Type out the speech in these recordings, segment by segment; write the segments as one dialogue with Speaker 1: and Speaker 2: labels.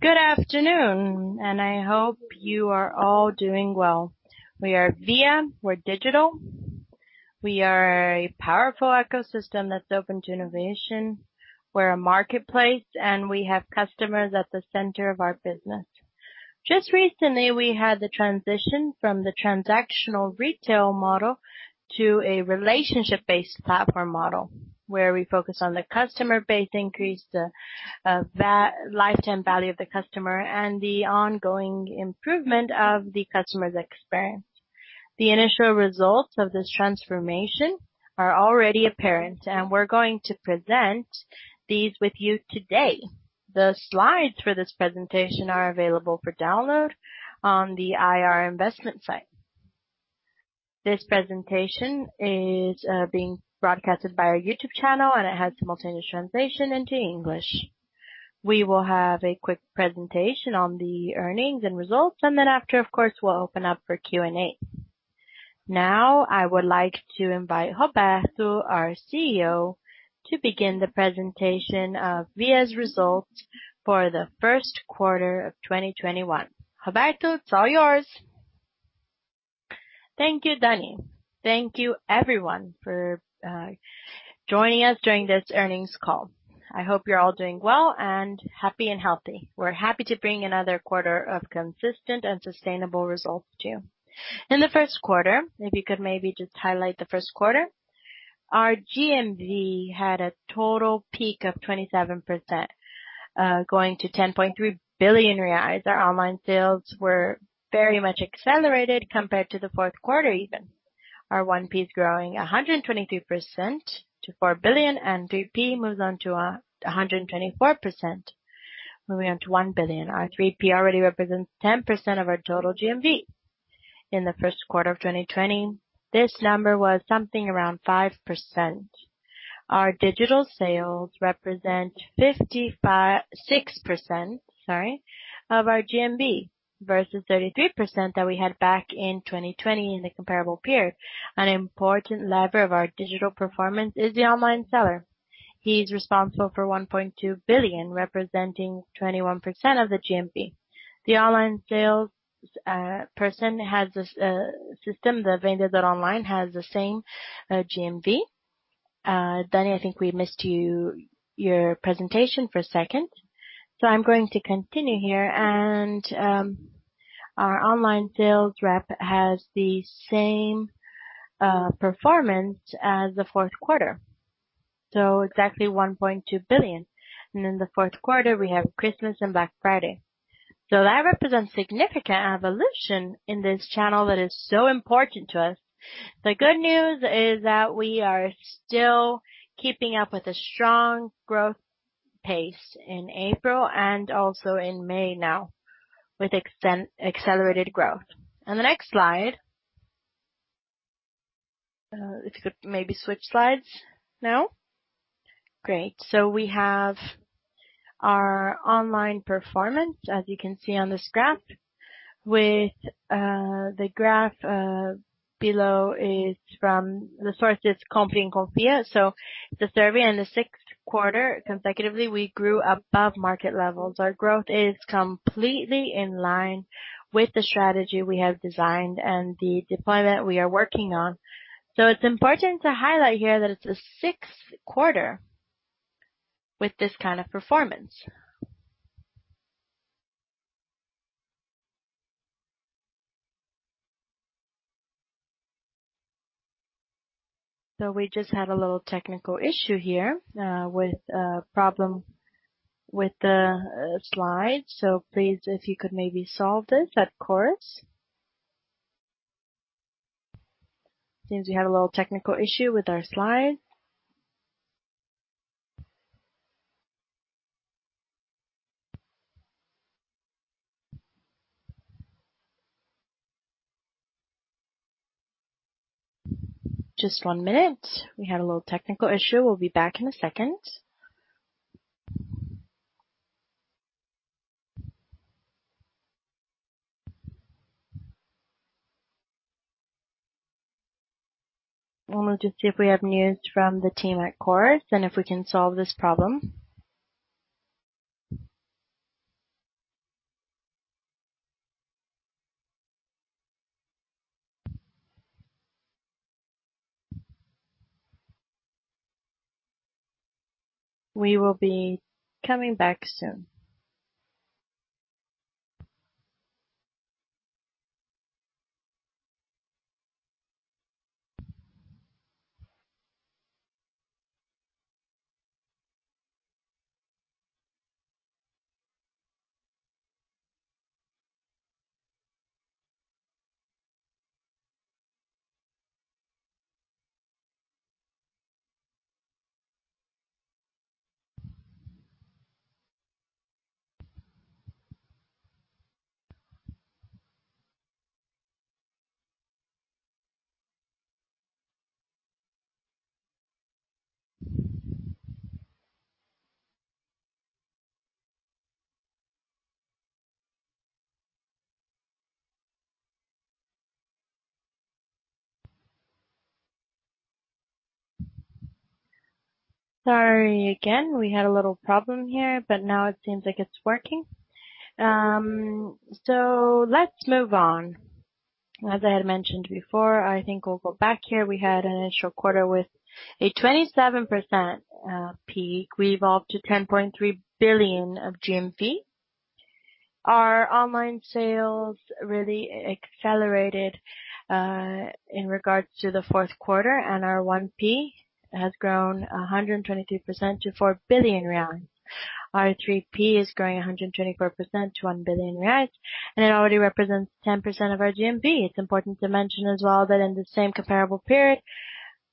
Speaker 1: Good afternoon. I hope you are all doing well. We are Via. We're digital. We are a powerful ecosystem that's open to innovation. We're a marketplace, and we have customers at the center of our business. Just recently, we had the transition from the transactional retail model to a relationship-based platform model, where we focus on the customer base increase, the lifetime value of the customer, and the ongoing improvement of the customer's experience. The initial results of this transformation are already apparent, and we're going to present these with you today. The slides for this presentation are available for download on the IR investment site. This presentation is being broadcasted by our YouTube channel, and it has simultaneous translation into English. We will have a quick presentation on the earnings and results, and then after, of course, we'll open up for Q&A.
Speaker 2: I would like to invite Roberto, our CEO, to begin the presentation of Via's results for the first quarter of 2021. Roberto, it's all yours. Thank you, Dani. Thank you everyone for joining us during this earnings call. I hope you're all doing well and happy and healthy. We're happy to bring another quarter of consistent and sustainable results to you. In the first quarter, if you could maybe just highlight the first quarter. Our GMV had a total peak of 27%, going to 10.3 billion reais. Our online sales were very much accelerated compared to the fourth quarter even. Our 1P is growing 123% to 4 billion, and 3P moves on to 124%, moving on to 1 billion. Our 3P already represents 10% of our total GMV. In the first quarter of 2020, this number was something around 5%. Our digital sales represent 56% of our GMV versus 33% that we had back in 2020 in the comparable period. An important lever of our digital performance is the Vendedor Online. He is responsible for 1.2 billion, representing 21% of the GMV. The Vendedor Online has a system. The Vendedor Online has the same GMV. Dani, I think we missed your presentation for a second, I'm going to continue here. Our Vendedor Online has the same performance as the fourth quarter. Exactly 1.2 billion. In the fourth quarter, we have Christmas and Black Friday. That represents significant evolution in this channel that is so important to us. The good news is that we are still keeping up with a strong growth pace in April and also in May now, with accelerated growth. The next slide. If you could maybe switch slides now. Great. We have our online performance, as you can see on this graph. The source is Compre & Confie. The survey and the sixth quarter consecutively, we grew above market levels. Our growth is completely in line with the strategy we have designed and the deployment we are working on. It's important to highlight here that it's the sixth quarter with this kind of performance. We just had a little technical issue here with a problem with the slide. Please, if you could maybe solve this of course. Seems we had a little technical issue with our slide. Just one minute. We had a little technical issue. We'll be back in a second. One moment to see if we have news from the team of course and if we can solve this problem. We will be coming back soon. Sorry again, we had a little problem here, but now it seems like it's working. Let's move on. As I had mentioned before, I think we'll go back here. We had an initial quarter with a 27% peak. We evolved to 10.3 billion of GMV. Our online sales really accelerated, in regards to the fourth quarter. Our 1P has grown 123% to 4 billion reais. Our 3P is growing 124% to 1 billion reais, and it already represents 10% of our GMV. It's important to mention as well, that in the same comparable period,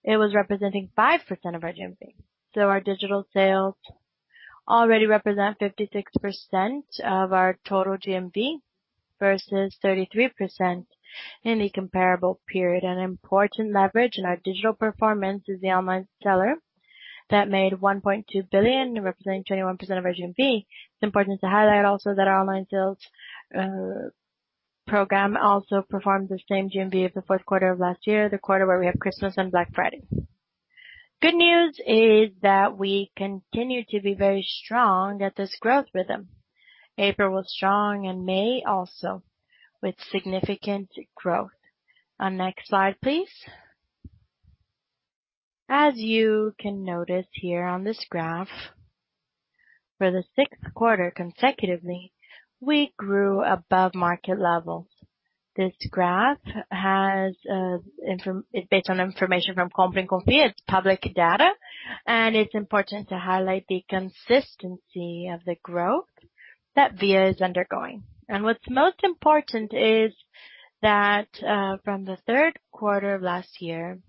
Speaker 2: it was representing 5% of our GMV. Our digital sales already represent 56% of our total GMV versus 33% in the comparable period. An important leverage in our digital performance is the Vendedor Online that made 1.2 billion, representing 21% of our GMV. It's important to highlight also that our online sales program also performed the same GMV as the fourth quarter of last year, the quarter where we have Christmas and Black Friday. Good news is that we continue to be very strong at this growth rhythm. April was strong and May also, with significant growth. Next slide, please. As you can notice here on this graph, for the sixth quarter consecutively, we grew above market level. This graph is based on information from Compre & Confie. It's public data, and it's important to highlight the consistency of the growth that Via is undergoing. What's most important is that, from the third quarter of last year,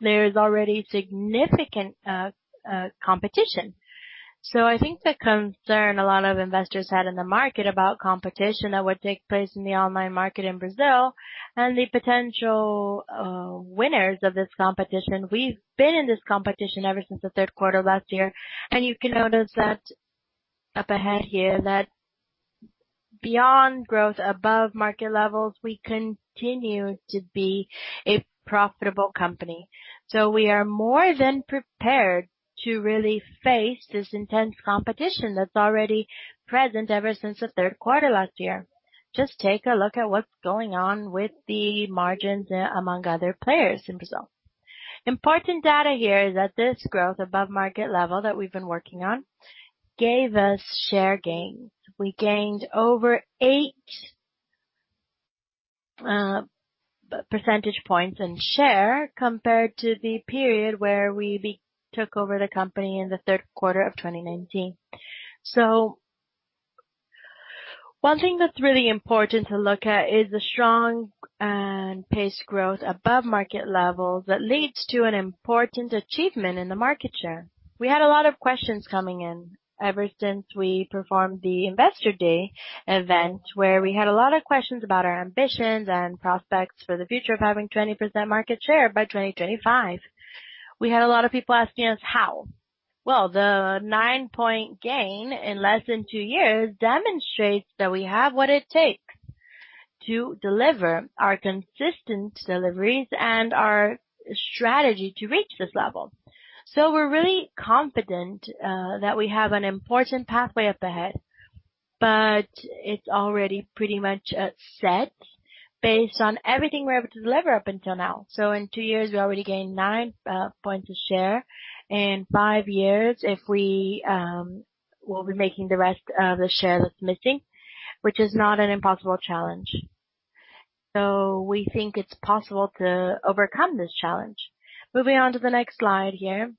Speaker 2: there's already significant competition. I think the concern a lot of investors had in the market about competition that would take place in the online market in Brazil and the potential winners of this competition. We've been in this competition ever since the third quarter of last year. You can notice that up ahead here that beyond growth, above market levels, we continue to be a profitable company. We are more than prepared to really face this intense competition that's already present ever since the third quarter last year. Just take a look at what's going on with the margins among other players in Brazil. Important data here is that this growth above market level that we've been working on gave us share gains. We gained over eight percentage points in share compared to the period where we took over the company in the third quarter of 2019. One thing that's really important to look at is the strong pace growth above market level that leads to an important achievement in the market share. We had a lot of questions coming in ever since we performed the investor day event, where we had a lot of questions about our ambitions and prospects for the future of having 20% market share by 2025. We had a lot of people asking us how. Well, the nine-point gain in less than two years demonstrates that we have what it takes to deliver our consistent deliveries and our strategy to reach this level. We're really confident that we have an important pathway up ahead, but it's already pretty much set based on everything we're able to deliver up until now. In two years, we already gained nine points of share. In five years, we'll be making the rest of the share that's missing, which is not an impossible challenge. We think it's possible to overcome this challenge. Moving on to the next slide here.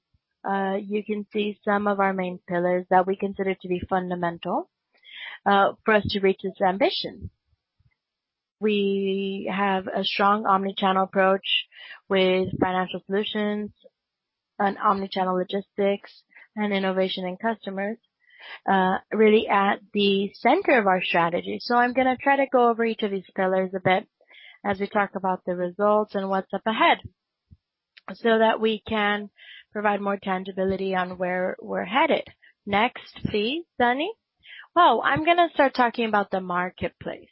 Speaker 2: You can see some of our main pillars that we consider to be fundamental, for us to reach this ambition. We have a strong omnichannel approach with financial solutions and omnichannel logistics and innovation in customers, really at the center of our strategy. I'm going to try to go over each of these pillars a bit as we talk about the results and what's up ahead, so that we can provide more tangibility on where we're headed. Next please, Dani. Well, I'm going to start talking about the marketplace.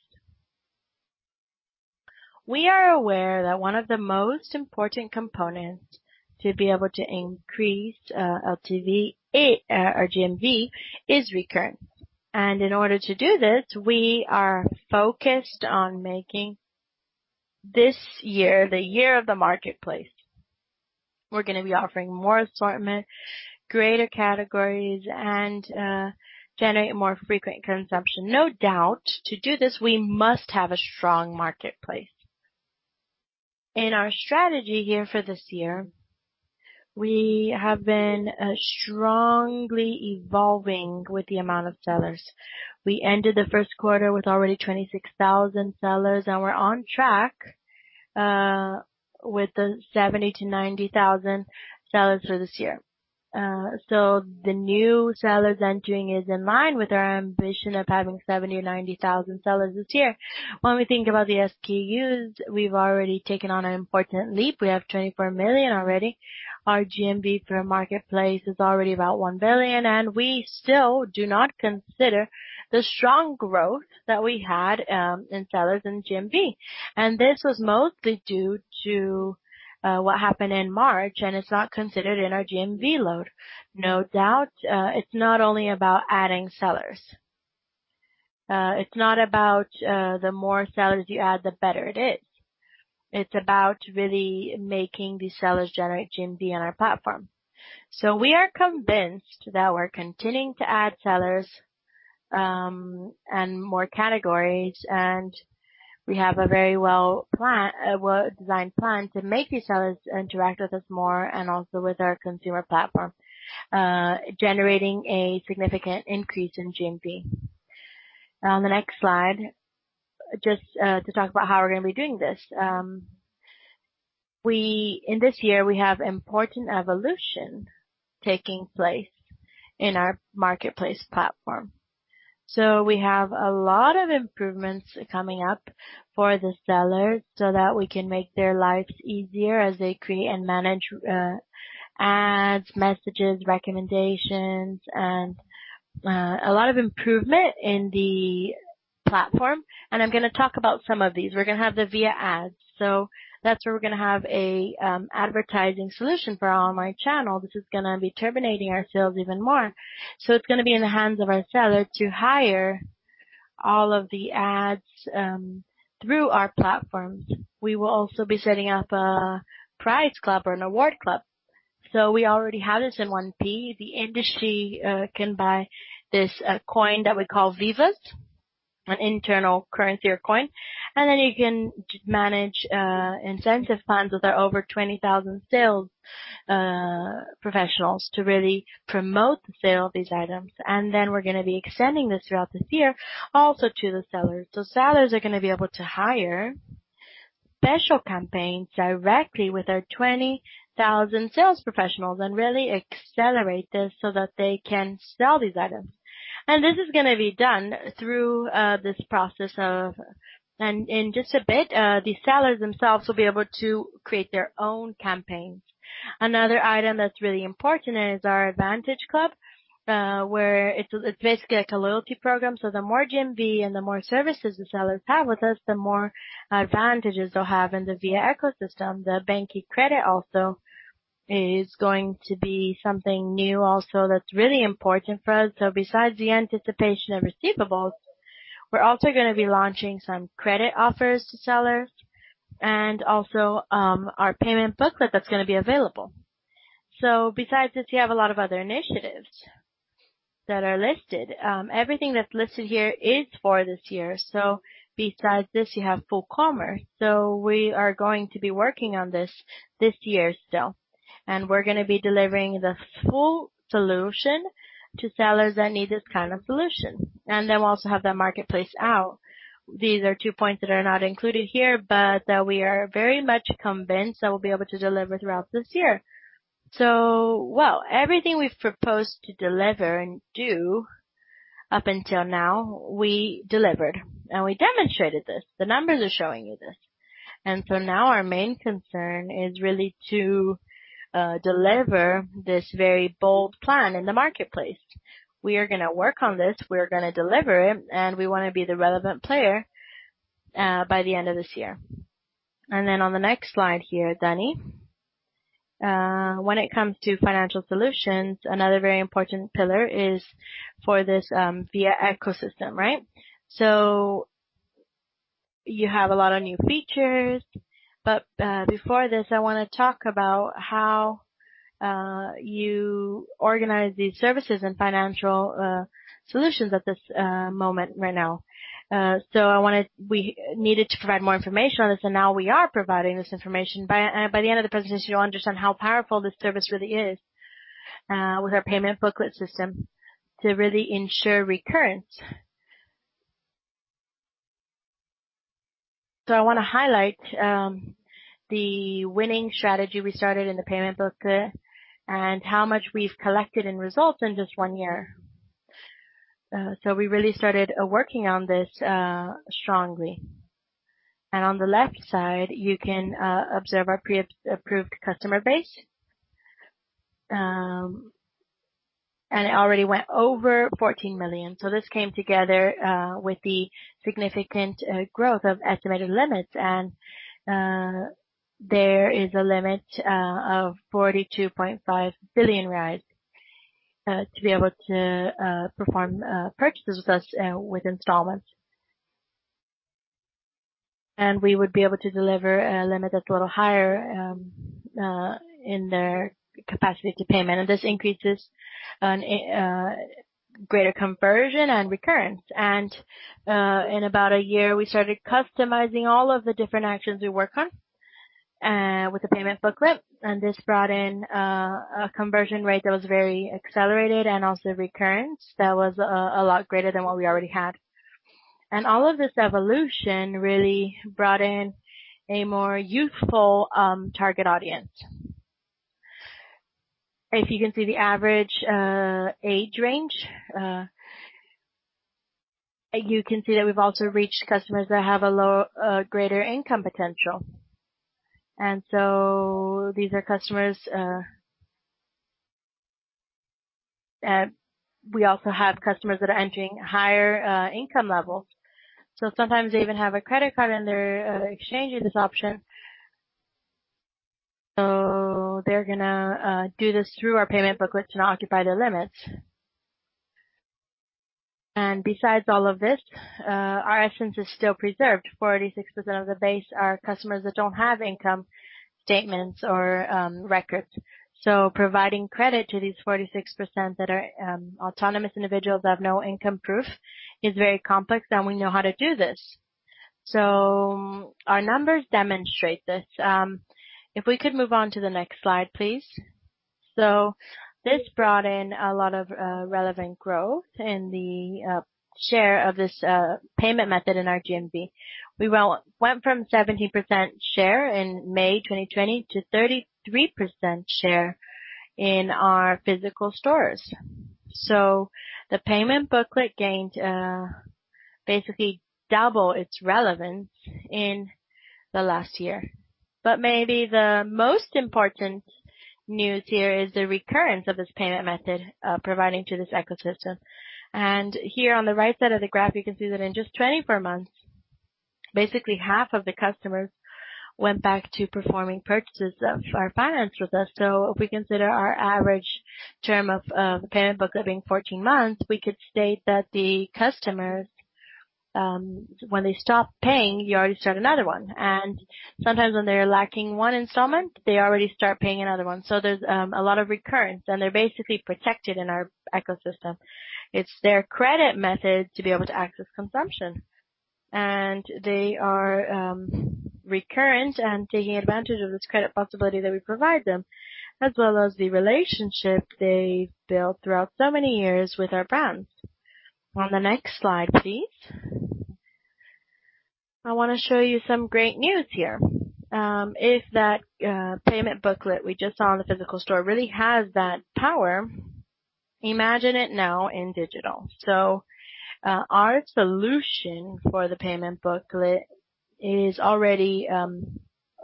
Speaker 2: We are aware that one of the most important components to be able to increase our GMV is recurring. In order to do this, we are focused on making this year the year of the marketplace. We're going to be offering more assortment, greater categories, and generate more frequent consumption. No doubt, to do this, we must have a strong marketplace. In our strategy here for this year, we have been strongly evolving with the amount of sellers. We ended the first quarter with already 26,000 sellers, and we are on track with the 70,000-90,000 sellers for this year. The new sellers entering is in line with our ambition of having 70,000-90,000 sellers this year. When we think about the SKUs, we have already taken on an important leap. We have 24 million already. Our GMV for our marketplace is already about 1 billion, and we still do not consider the strong growth that we had in sellers and GMV. This was mostly due to what happened in March, and it is not considered in our GMV load. No doubt, it is not only about adding sellers. It is not about, the more sellers you add, the better it is. It's about really making these sellers generate GMV on our platform. We are convinced that we're continuing to add sellers, and more categories, and we have a very well-designed plan to make these sellers interact with us more and also with our consumer platform, generating a significant increase in GMV. On the next slide, just to talk about how we're going to be doing this. In this year, we have important evolution taking place in our marketplace platform. We have a lot of improvements coming up for the sellers so that we can make their lives easier as they create and manage ads, messages, recommendations, and a lot of improvement in the platform. I'm going to talk about some of these. We're going to have the Via Ads. That's where we're going to have an advertising solution for our online channel. This is going to be [terminating] our sales even more. It's going to be in the hands of our sellers to hire all of the ads through our platforms. We will also be setting up a prize club or an award club. We already have this in 1P. The industry can buy this coin that we call Vivas, an internal currency or coin. You can manage incentive funds with our over 20,000 sales professionals to really promote the sale of these items. We're going to be extending this throughout this year also to the sellers. Sellers are going to be able to hire special campaigns directly with our 20,000 sales professionals and really accelerate this so that they can sell these items. This is going to be done through this process. In just a bit, the sellers themselves will be able to create their own campaigns. Another item that's really important is our advantage club, where it's basically like a loyalty program. The more GMV and the more services the sellers have with us, the more advantages they'll have in the Via ecosystem. The banking credit also is going to be something new also that's really important for us. Besides the anticipation of receivables, we're also going to be launching some credit offers to sellers and also our payment booklet that's going to be available. Besides this, you have a lot of other initiatives that are listed. Everything that's listed here is for this year. Besides this, you have full commerce. We are going to be working on this year still, and we're going to be delivering the full solution to sellers that need this kind of solution. We'll also have that marketplace out. These are two points that are not included here, but that we are very much convinced that we'll be able to deliver throughout this year. Well, everything we've proposed to deliver and do up until now, we delivered and we demonstrated this. The numbers are showing you this. Now our main concern is really to deliver this very bold plan in the marketplace. We are going to work on this, we are going to deliver it, and we want to be the relevant player by the end of this year. On the next slide here, Dani. When it comes to financial solutions, another very important pillar is for this Via ecosystem, right? You have a lot of new features, but before this, I want to talk about how you organize these services and financial solutions at this moment right now. We needed to provide more information on this, and now we are providing this information. By the end of the presentation, you'll understand how powerful this service really is, with our payment booklet system to really ensure recurrence. I want to highlight the winning strategy we started in the payment booklet and how much we've collected in results in just one year. We really started working on this strongly. On the left side, you can observe our pre-approved customer base. It already went over 14 million. This came together with the significant growth of estimated limits, and there is a limit of 42.5 billion to be able to perform purchases with us with installments. We would be able to deliver a limit that's a little higher in their capacity to pay. This increases greater conversion and recurrence. In about a year, we started customizing all of the different actions we work on with the payment booklet, and this brought in a conversion rate that was very accelerated and also recurrence that was a lot greater than what we already had. All of this evolution really brought in a more youthful target audience. If you can see the average age range, you can see that we've also reached customers that have a greater income potential. We also have customers that are entering higher income levels. Sometimes they even have a credit card, and they're exchanging this option. They're going to do this through our payment booklet to not occupy their limits. Besides all of this, our essence is still preserved. 46% of the base are customers that don't have income statements or records. Providing credit to these 46% that are autonomous individuals that have no income proof is very complex, and we know how to do this. Our numbers demonstrate this. If we could move on to the next slide, please. This brought in a lot of relevant growth in the share of this payment method in our GMV. We went from 17% share in May 2020 to 33% share in our physical stores. The payment booklet gained basically double its relevance in the last year. Maybe the most important news here is the recurrence of this payment method providing to this ecosystem. Here on the right side of the graph, you can see that in just 24 months, basically half of the customers went back to performing purchases of our finance with us. If we consider our average term of the payment booklet being 14 months, we could state that the customers, when they stop paying, you already start another one. Sometimes when they're lacking one installment, they already start paying another one. There's a lot of recurrence, and they're basically protected in our ecosystem. It's their credit method to be able to access consumption. They are recurrent and taking advantage of this credit possibility that we provide them, as well as the relationship they've built throughout so many years with our brands. On the next slide, please. I want to show you some great news here. If that payment booklet we just saw in the physical store really has that power, imagine it now in digital. Our solution for the payment booklet is already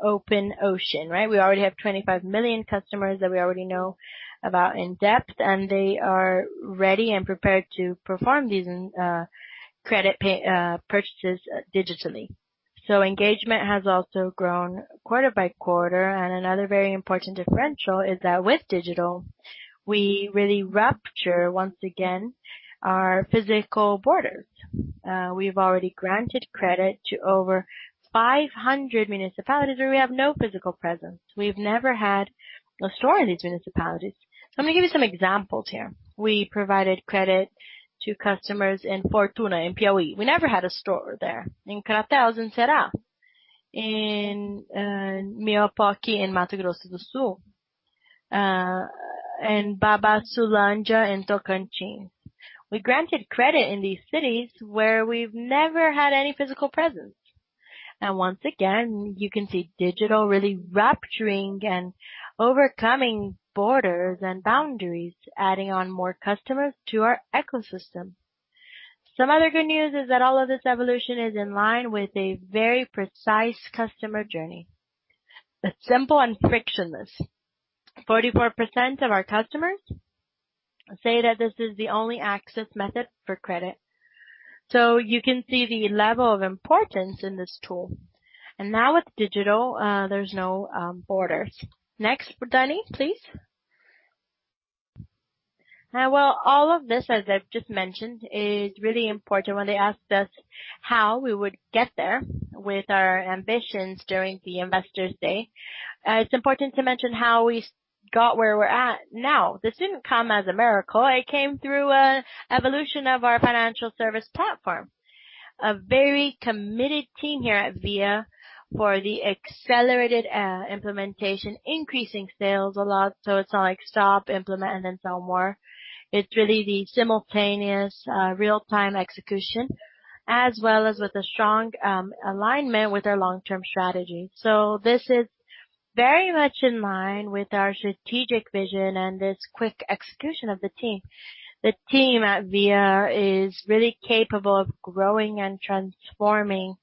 Speaker 2: open ocean, right? We already have 25 million customers that we already know about in-depth, and they are ready and prepared to perform these credit purchases digitally. Engagement has also grown quarter by quarter. Another very important differential is that with digital, we really rupture, once again, our physical borders. We've already granted credit to over 500 municipalities where we have no physical presence. We've never had a store in these municipalities. I'm going to give you some examples here. We provided credit to customers in Fortuna, in Piauí. We never had a store there. In Crateús and Ceará. In Nioaqui in Mato Grosso do Sul, and Babaçulândia in Tocantins. We granted credit in these cities where we've never had any physical presence. Once again, you can see digital really rupturing and overcoming borders and boundaries, adding on more customers to our ecosystem. Some other good news is that all of this evolution is in line with a very precise customer journey. It's simple and frictionless. 44% of our customers say that this is the only access method for credit. You can see the level of importance in this tool. Now with digital, there's no borders. Next, Dani, please. All of this, as I've just mentioned, is really important when they asked us how we would get there with our ambitions during the Investors Day. It's important to mention how we got where we're at now. This didn't come as a miracle. It came through evolution of our financial service platform. A very committed team here at Via for the accelerated implementation, increasing sales a lot. It's not like stop, implement, and then sell more. It's really the simultaneous real-time execution, as well as with a strong alignment with our long-term strategy. This is very much in line with our strategic vision and this quick execution of the team. The team at Via is really capable of growing and transforming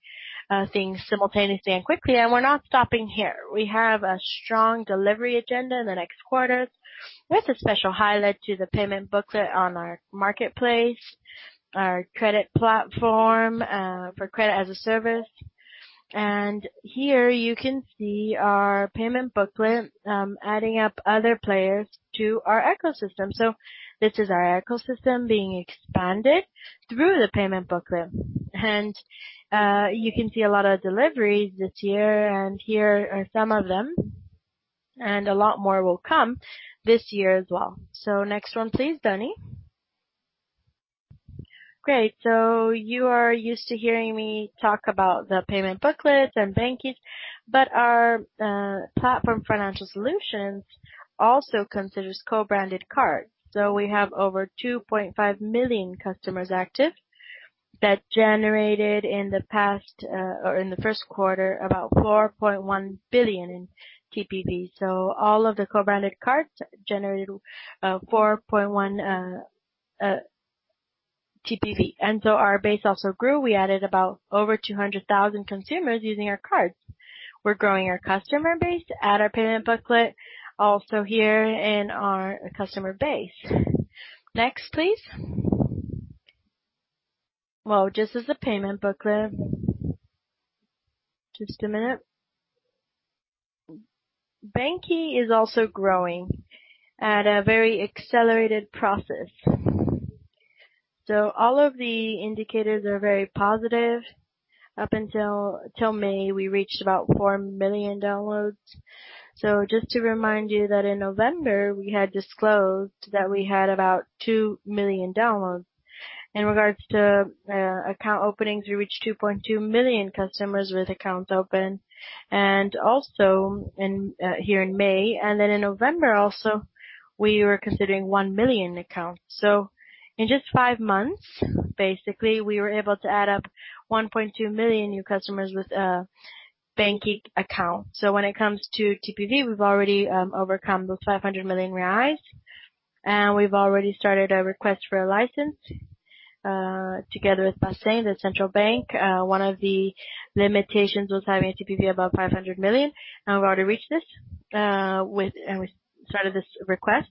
Speaker 2: things simultaneously and quickly, and we're not stopping here. We have a strong delivery agenda in the next quarters with a special highlight to the payment booklet on our marketplace, our credit platform for credit as a service. Here you can see our payment booklet adding up other players to our ecosystem. This is our ecosystem being expanded through the payment booklet. You can see a lot of deliveries this year, and here are some of them, and a lot more will come this year as well. Next one, please, Dani. Great. You are used to hearing me talk about the payment booklets and bank fees, but our platform financial solutions also considers co-branded cards. We have over 2.5 million customers active. That generated in the first quarter about 4.1 billion in TPV. All of the co-branded cards generated 4.1 TPV. Our base also grew. We added about over 200,000 consumers using our cards. We're growing our customer base, add our payment booklet, also here in our customer base. Next, please. Just as the payment booklet. Just a minute. BanQi is also growing at a very accelerated process. All of the indicators are very positive. Up until May, we reached about 4 million downloads. Just to remind you that in November, we had disclosed that we had about 2 million downloads. In regards to account openings, we reached 2.2 million customers with accounts open. Here in May and then in November, we were considering 1 million accounts. In just 5 months, basically, we were able to add up 1.2 million new customers with a banQi account. When it comes to TPV, we've already overcome the 500 million reais, and we've already started a request for a license, together with Bacen, the Central Bank. One of the limitations was having a TPV above 500 million, and we've already reached this, and we started this request.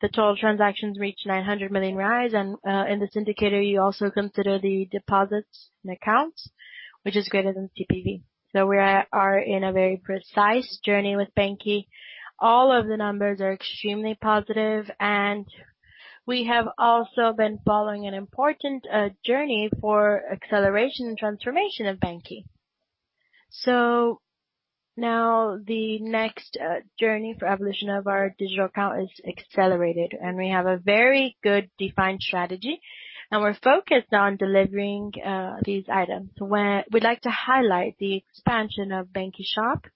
Speaker 2: The total transactions reached 900 million, and in this indicator, you also consider the deposits and accounts, which is greater than TPV. We are in a very precise journey with banQi. All of the numbers are extremely positive. We have also been following an important journey for acceleration and transformation of banQi. Now the next journey for evolution of our digital account is accelerated. We have a very good defined strategy. We're focused on delivering these items. We'd like to highlight the expansion of banQi Shop.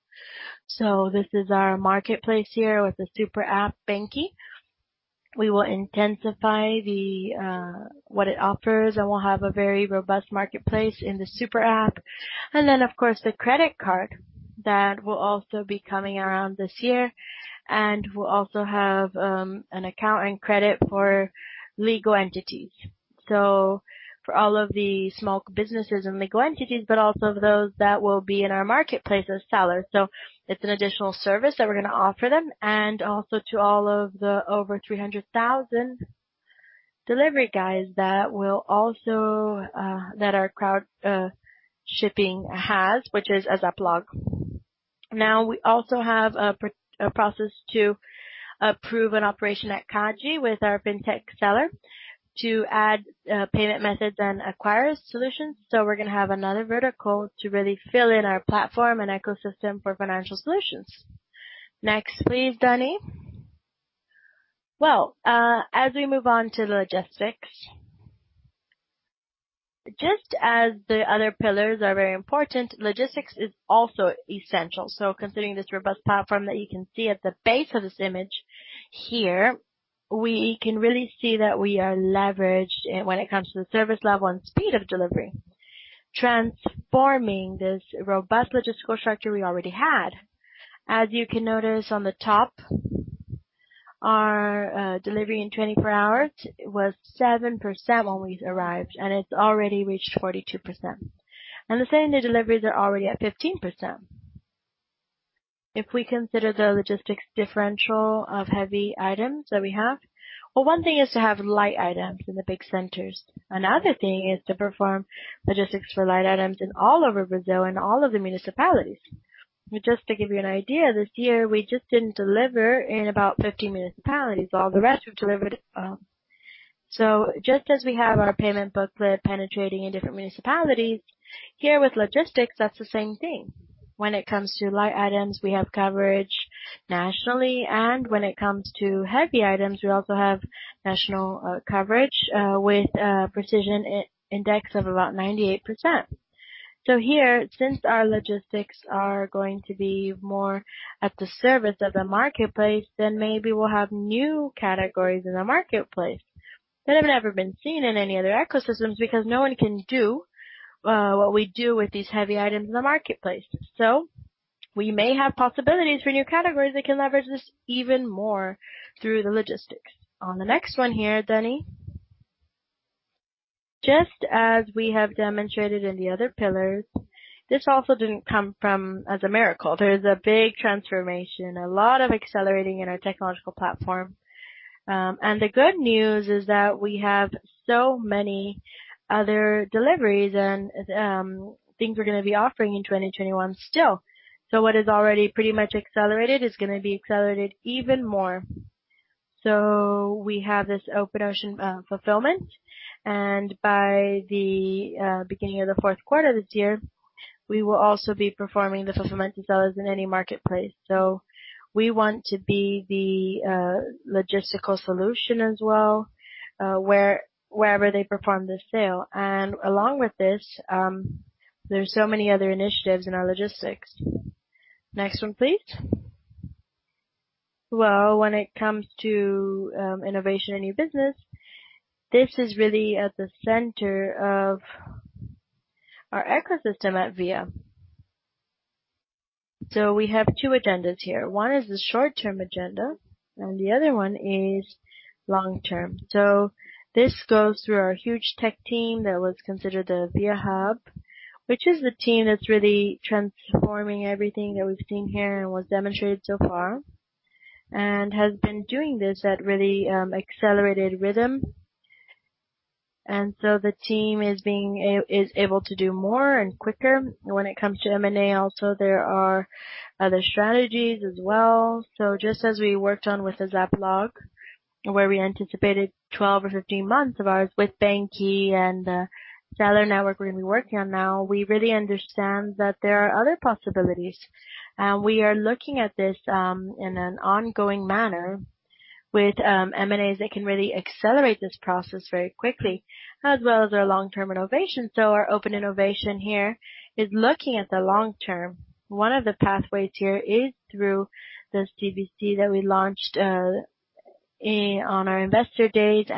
Speaker 2: This is our marketplace here with the super app, banQi. We will intensify what it offers. We'll have a very robust marketplace in the super app. Then, of course, the credit card that will also be coming around this year. We'll also have an account and credit for legal entities. For all of the small businesses and legal entities, also those that will be in our marketplace as sellers. It's an additional service that we're going to offer them, and also to all of the over 300,000 delivery guys that our crowd shipping has, which is ASAP Log. We also have a process to approve an operation at CADE with our fintech seller to add payment methods and acquirers solutions. We're going to have another vertical to really fill in our platform and ecosystem for financial solutions. Next, please, Dani. As we move on to logistics. Just as the other pillars are very important, logistics is also essential. Considering this robust platform that you can see at the base of this image here, we can really see that we are leveraged when it comes to the service level and speed of delivery, transforming this robust logistical structure we already had. As you can notice on the top, our delivery in 24 hours was 7% when we arrived, and it's already reached 42%. The same-day deliveries are already at 15%. If we consider the logistics differential of heavy items that we have. Well, one thing is to have light items in the big centers. Another thing is to perform logistics for light items in all over Brazil and all of the municipalities. Just to give you an idea, this year, we just didn't deliver in about 50 municipalities. All the rest we've delivered. Just as we have our payment booklet penetrating in different municipalities, here with logistics, that's the same thing. When it comes to light items, we have coverage nationally, and when it comes to heavy items, we also have national coverage with a precision index of about 98%. Here, since our logistics are going to be more at the service of the marketplace, then maybe we'll have new categories in the marketplace that have never been seen in any other ecosystems because no one can do what we do with these heavy items in the marketplace. We may have possibilities for new categories that can leverage this even more through the logistics. On the next one here, Dani. Just as we have demonstrated in the other pillars, this also didn't come as a miracle. There is a big transformation, a lot of acceleration in our technological platform. The good news is that we have so many other deliveries and things we're going to be offering in 2021 still. What is already pretty much accelerated is going to be accelerated even more. We have this open ocean fulfillment, and by the beginning of the fourth quarter this year, we will also be performing the fulfillment of sellers in any marketplace. We want to be the logistical solution as well wherever they perform the sale. Along with this, there's so many other initiatives in our logistics. Next one, please. When it comes to innovation and new business, this is really at the center of our ecosystem at Via. We have two agendas here. One is the short-term agenda, and the other one is long-term. This goes through our huge tech team that was considered the Via Hub, which is the team that's really transforming everything that we've seen here and was demonstrated so far, and has been doing this at really accelerated rhythm. The team is able to do more and quicker when it comes to M&A. There are other strategies as well. As we worked on with ASAP Log, where we anticipated 12 or 15 months of ours with banQi and the seller network we're going to be working on now. We really understand that there are other possibilities. We are looking at this in an ongoing manner with M&As that can really accelerate this process very quickly, as well as our long-term innovation. Our open innovation here is looking at the long-term. One of the pathways here is through the CB Play that we launched on our investor date.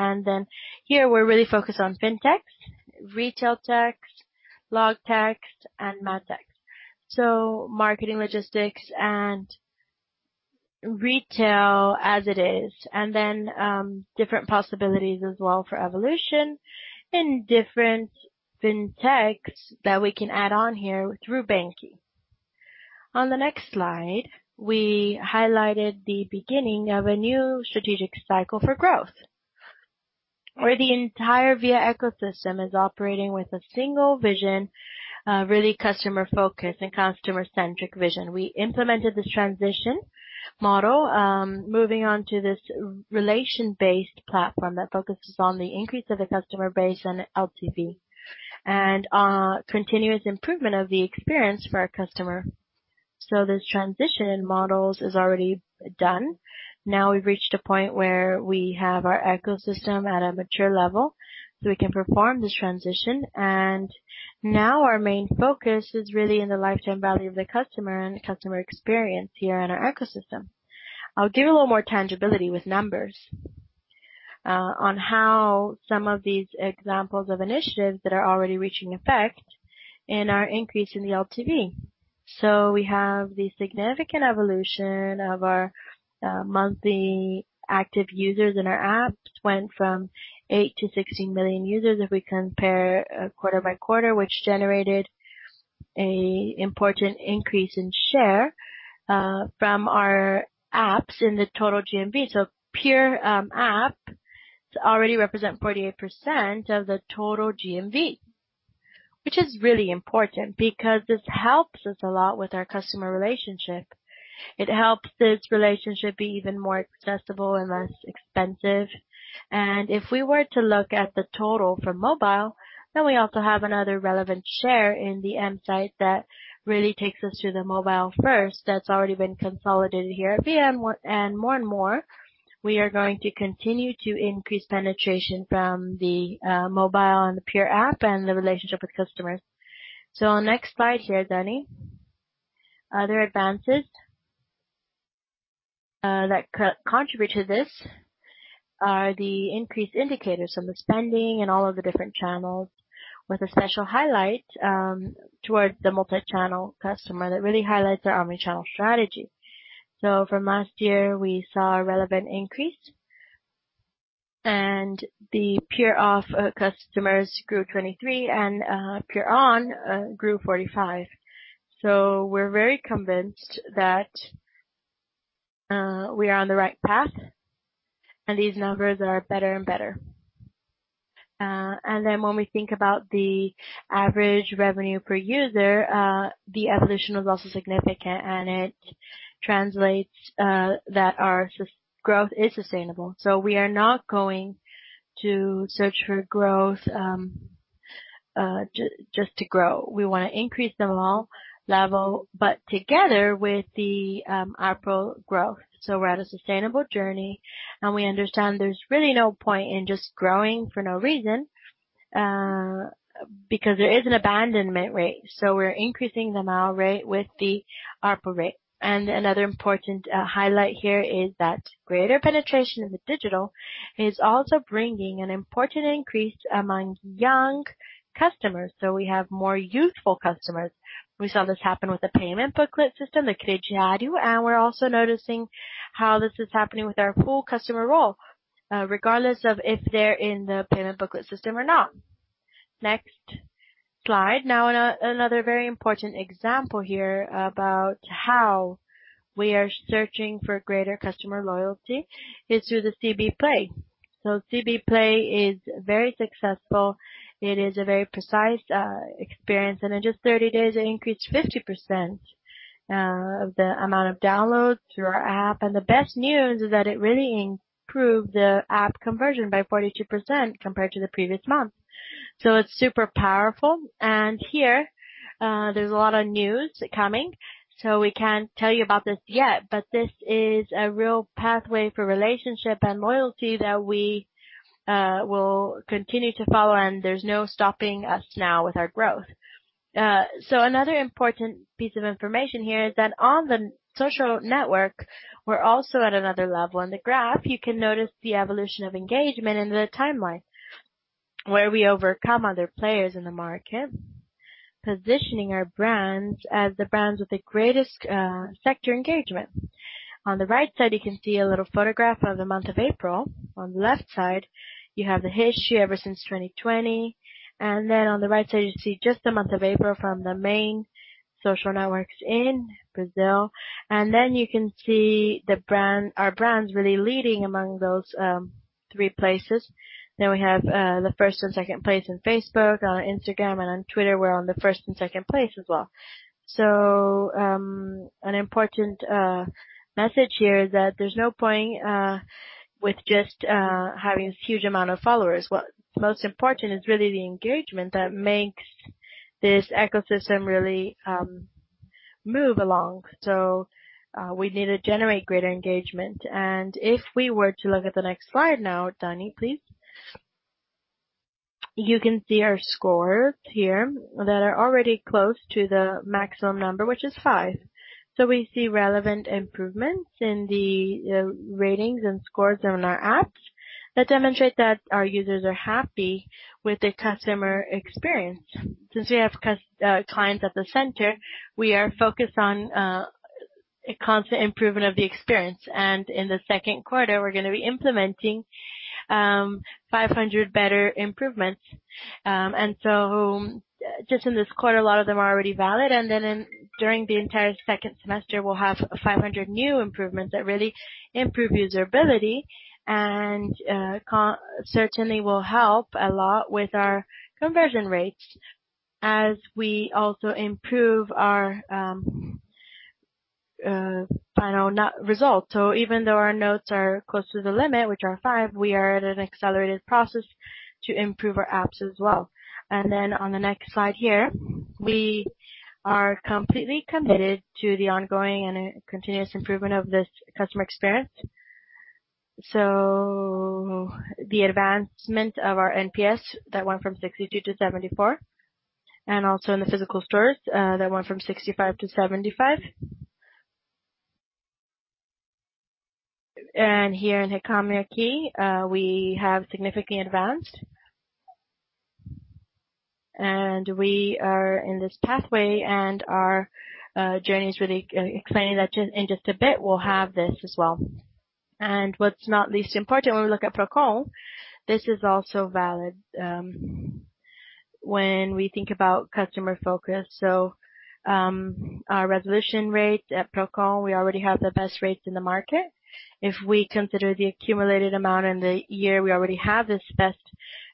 Speaker 2: Here we're really focused on fintechs, RetailTechs, logtechs, and MarTech. Marketing, logistics, and retail as it is. Different possibilities as well for evolution and different fintechs that we can add on here through banQi. On the next slide, we highlighted the beginning of a new strategic cycle for growth, where the entire Via ecosystem is operating with a single vision, really customer-focused and customer-centric vision. We implemented this transition model, moving on to this relation-based platform that focuses on the increase of the customer base and LTV, and continuous improvement of the experience for our customer. This transition models is already done. Now we've reached a point where we have our ecosystem at a mature level, so we can perform this transition. Our main focus is really in the lifetime value of the customer and the customer experience here in our ecosystem. I'll give a little more tangibility with numbers on how some of these examples of initiatives that are already reaching effect and are increasing the LTV. We have the significant evolution of our monthly active users in our apps went from 8 to 16 million users, if we compare quarter-over-quarter, which generated an important increase in share from our apps in the total GMV. Pure app already represents 48% of the total GMV. Which is really important because this helps us a lot with our customer relationship. It helps this relationship be even more accessible and less expensive. If we were to look at the total for mobile, then we also have another relevant share in the Msite that really takes us to the mobile first. That's already been consolidated here at Via. More and more, we are going to continue to increase penetration from the mobile and the pure app and the relationship with customers. Next slide here, Dani. Other advances that contribute to this are the increased indicators of the spending and all of the different channels with a special highlight towards the multi-channel customer that really highlights our omnichannel strategy. From last year, we saw a relevant increase, the pure off customers grew 23% and pure on grew 45%. We're very convinced that we are on the right path, and these numbers are better and better. When we think about the average revenue per user, the evolution was also significant, and it translates that our growth is sustainable. We are not going to search for growth just to grow. We want to increase the [ARPU level], but together with the ARPU growth. We're at a sustainable journey, and we understand there's really no point in just growing for no reason, because there is an abandonment rate. We're increasing theARPU with the ARPU rate. Another important highlight here is that greater penetration in the digital is also bringing an important increase among young customers. We have more youthful customers. We saw this happen with the payment booklet system, the Crediário, and we're also noticing how this is happening with our full customer role, regardless of if they're in the payment booklet system or not. Next slide. Now, another very important example here about how we are searching for greater customer loyalty is through the CB Play. CB Play is very successful. It is a very precise experience, and in just 30 days, it increased 50% of the amount of downloads through our app. The best news is that it really improved the app conversion by 42% compared to the previous month. It's super powerful. Here, there's a lot of news coming. We can't tell you about this yet, but this is a real pathway for relationship and loyalty that we'll continue to follow and there's no stopping us now with our growth. Another important piece of information here is that on the social network, we're also at another level. On the graph, you can notice the evolution of engagement in the timeline, where we overcome other players in the market, positioning our brands as the brands with the greatest sector engagement. On the right side, you can see a little photograph of the month of April. On the left side, you have the history ever since 2020. On the right side, you see just the month of April from the main social networks in Brazil. You can see our brands really leading among those three places. We have the first and second place in Facebook, on Instagram, and on Twitter, we're on the first and second place as well. An important message here is that there's no point with just having this huge amount of followers. What's most important is really the engagement that makes this ecosystem really move along. We need to generate greater engagement. If we were to look at the next slide now, Dani, please. You can see our scores here that are already close to the maximum number, which is five. We see relevant improvements in the ratings and scores on our apps that demonstrate that our users are happy with the customer experience. Since we have clients at the center, we are focused on a constant improvement of the experience. In the second quarter, we're going to be implementing 500 better improvements. Just in this quarter, a lot of them are already valid. During the entire second semester, we'll have 500 new improvements that really improve user ability and certainly will help a lot with our conversion rates as we also improve our final result. Even though our notes are close to the limit, which are five, we are at an accelerated process to improve our apps as well. On the next slide here, we are completely committed to the ongoing and continuous improvement of this customer experience. The advancement of our NPS that went from 62 to 74, and also in the physical stores, that went from 65 to 75. Here in Reclame Aqui, we have significantly advanced. We are in this pathway, and our journey is really exciting that in just a bit, we'll have this as well. What's not least important when we look at Procon, this is also valid when we think about customer focus. Our resolution rates at Procon, we already have the best rates in the market. If we consider the accumulated amount in the year, we already have this best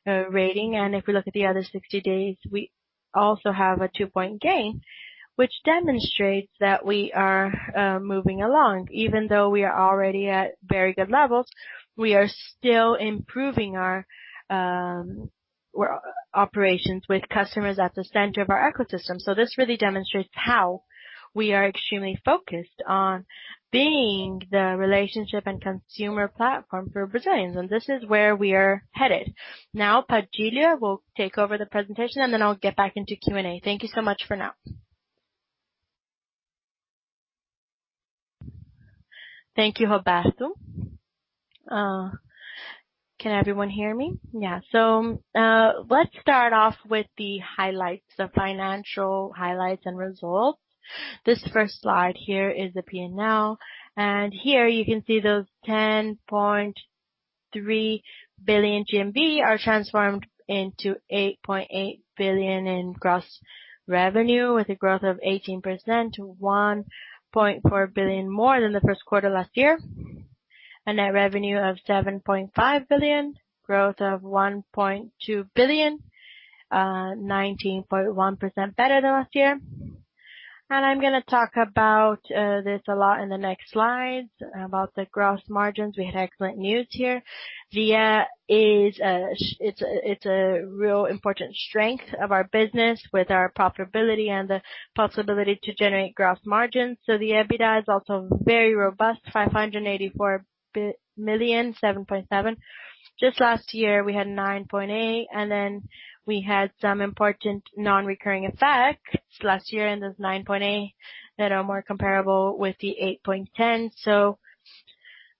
Speaker 2: rating. If we look at the other 60 days, we also have a two-point gain, which demonstrates that we are moving along. Even though we are already at very good levels, we are still improving our operations with customers at the center of our ecosystem. This really demonstrates how we are extremely focused on being the relationship and consumer platform for Brazilians, and this is where we are headed. Now, Padilha will take over the presentation, and then I'll get back into Q&A. Thank you so much for now.
Speaker 3: Thank you, Roberto. Can everyone hear me? Yeah. Let's start off with the highlights, the financial highlights and results. This first slide here is the P&L. Here you can see those 10.3 billion GMV are transformed into 8.8 billion in gross revenue with a growth of 18% to 1.4 billion more than the first quarter last year. A net revenue of 7.5 billion, growth of 1.2 billion, 19.1% better than last year. I'm going to talk about this a lot in the next slides, about the gross margins. We had excellent news here. Via, it's a real important strength of our business with our profitability and the possibility to generate gross margins. The EBITDA is also very robust, 584 million, 7.7%. Just last year, we had 9.8%, we had some important non-recurring effects last year in this 9.8% that are more comparable with the 8.10%.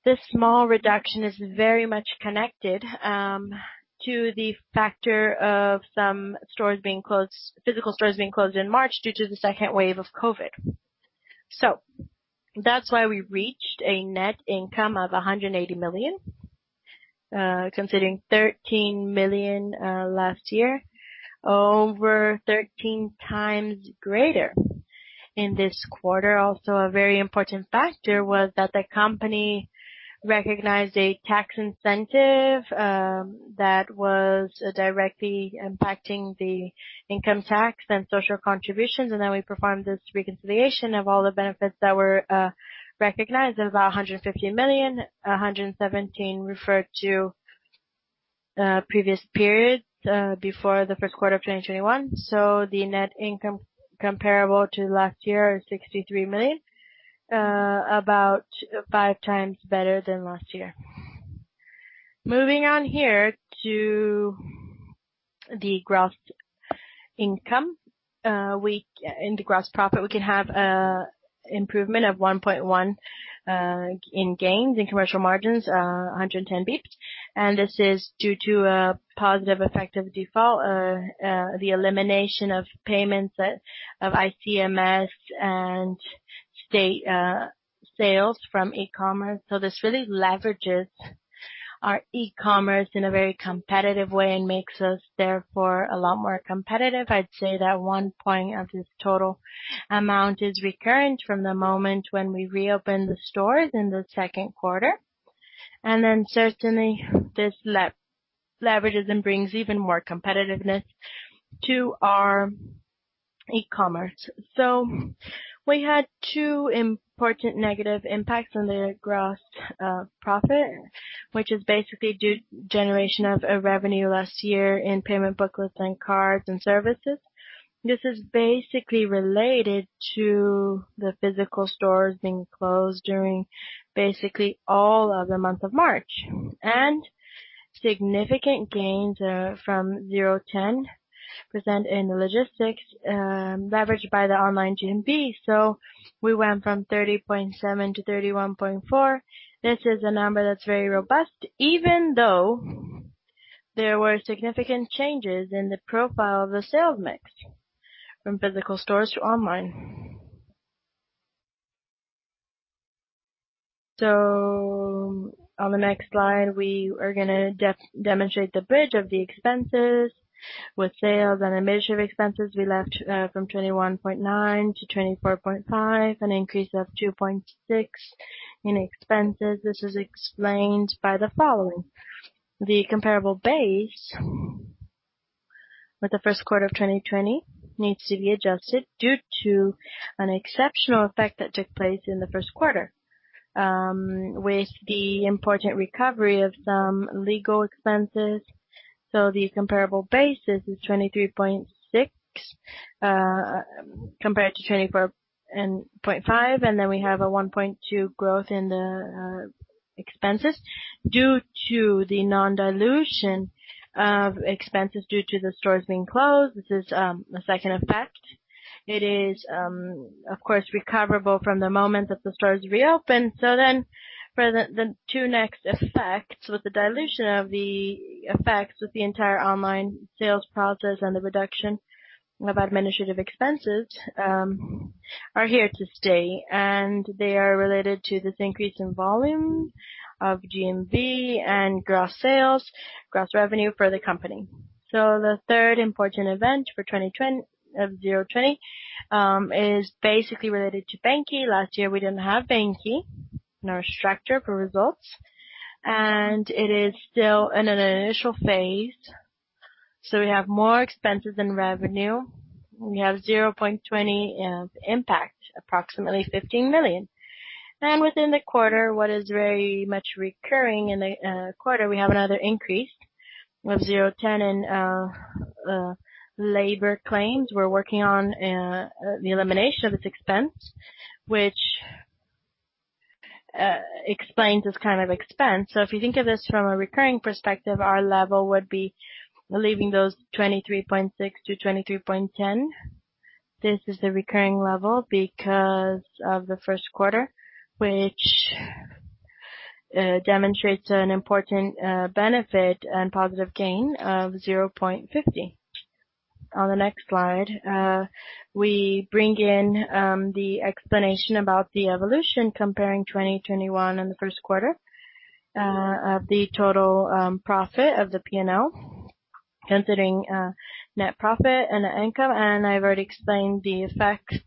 Speaker 3: This small reduction is very much connected to the factor of some physical stores being closed in March due to the second wave of COVID. That's why we reached a net income of 180 million, considering 13 million last year, over 13 times greater. In this quarter, also a very important factor was that the company recognized a tax incentive that was directly impacting the income tax and social contributions. We performed this reconciliation of all the benefits that were recognized of 150 million. 117 referred to previous periods before the first quarter of 2021. The net income comparable to last year is 63 million. About five times better than last year. Moving on here to the gross income. In the gross profit, we can have improvement of 1.1 in gains, in commercial margins, 110 basis points. This is due to a positive effect of default, the elimination of payments of ICMS and state sales from e-commerce. This really leverages our e-commerce in a very competitive way and makes us therefore a lot more competitive. I'd say that one point of this total amount is recurrent from the moment when we reopen the stores in the second quarter. Certainly this leverages and brings even more competitiveness to our e-commerce. We had two important negative impacts on the gross profit, which is basically due to generation of revenue last year in payment booklets and cards and services. This is basically related to the physical stores being closed during basically all of the month of March, and significant gains from 0.10% in the logistics leveraged by the online GMV. We went from 30.7 to 31.4. This is a number that is very robust, even though there were significant changes in the profile of the sales mix from physical stores to online. On the next slide, we are going to demonstrate the bridge of the expenses with sales and administrative expenses. We left from 21.9 to 24.5, an increase of 2.6 in expenses. This is explained by the following. The comparable base with the first quarter of 2020 needs to be adjusted due to an exceptional effect that took place in the first quarter, with the important recovery of some legal expenses. The comparable basis is 23.6% compared to 24.5%. We have a 1.2 growth in the expenses due to the non-dilution of expenses due to the stores being closed. This is a second effect. It is, of course, recoverable from the moment that the stores reopen. For the two next effects, with the dilution of the effects with the entire online sales process and the reduction of administrative expenses are here to stay. They are related to this increase in volume of GMV and gross sales, gross revenue for the company. The third important event for 2020 is basically related to banQi. Last year, we didn't have banQi in our structure for results. It is still in an initial phase. We have more expenses than revenue. We have 0.20 of impact, approximately 15 million. Within the quarter, what is very much recurring in the quarter, we have another increase of 0.10 in labor claims. We're working on the elimination of this expense, which explains this kind of expense. If you think of this from a recurring perspective, our level would be leaving those 23.6 to 23.10. This is the recurring level because of the first quarter, which demonstrates an important benefit and positive gain of 0.50. On the next slide, we bring in the explanation about the evolution comparing 2021 and the first quarter of the total profit of the P&L, considering net profit and income. I've already explained the effects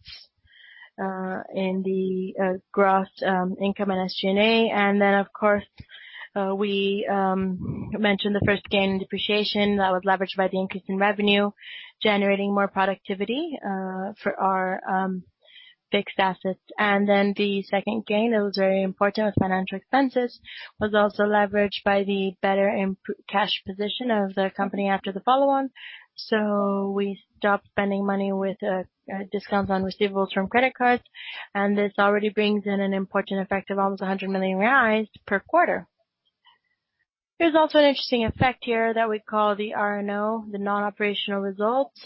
Speaker 3: in the gross income and SG&A. Of course, we mentioned the first gain in depreciation that was leveraged by the increase in revenue, generating more productivity for our fixed assets. The second gain that was very important with financial expenses was also leveraged by the better cash position of the company after the follow-on. We stopped spending money with discounts on receivables from credit cards, and this already brings in an important effect of almost 100 million reais per quarter. There's also an interesting effect here that we call the RNO, the non-operational results.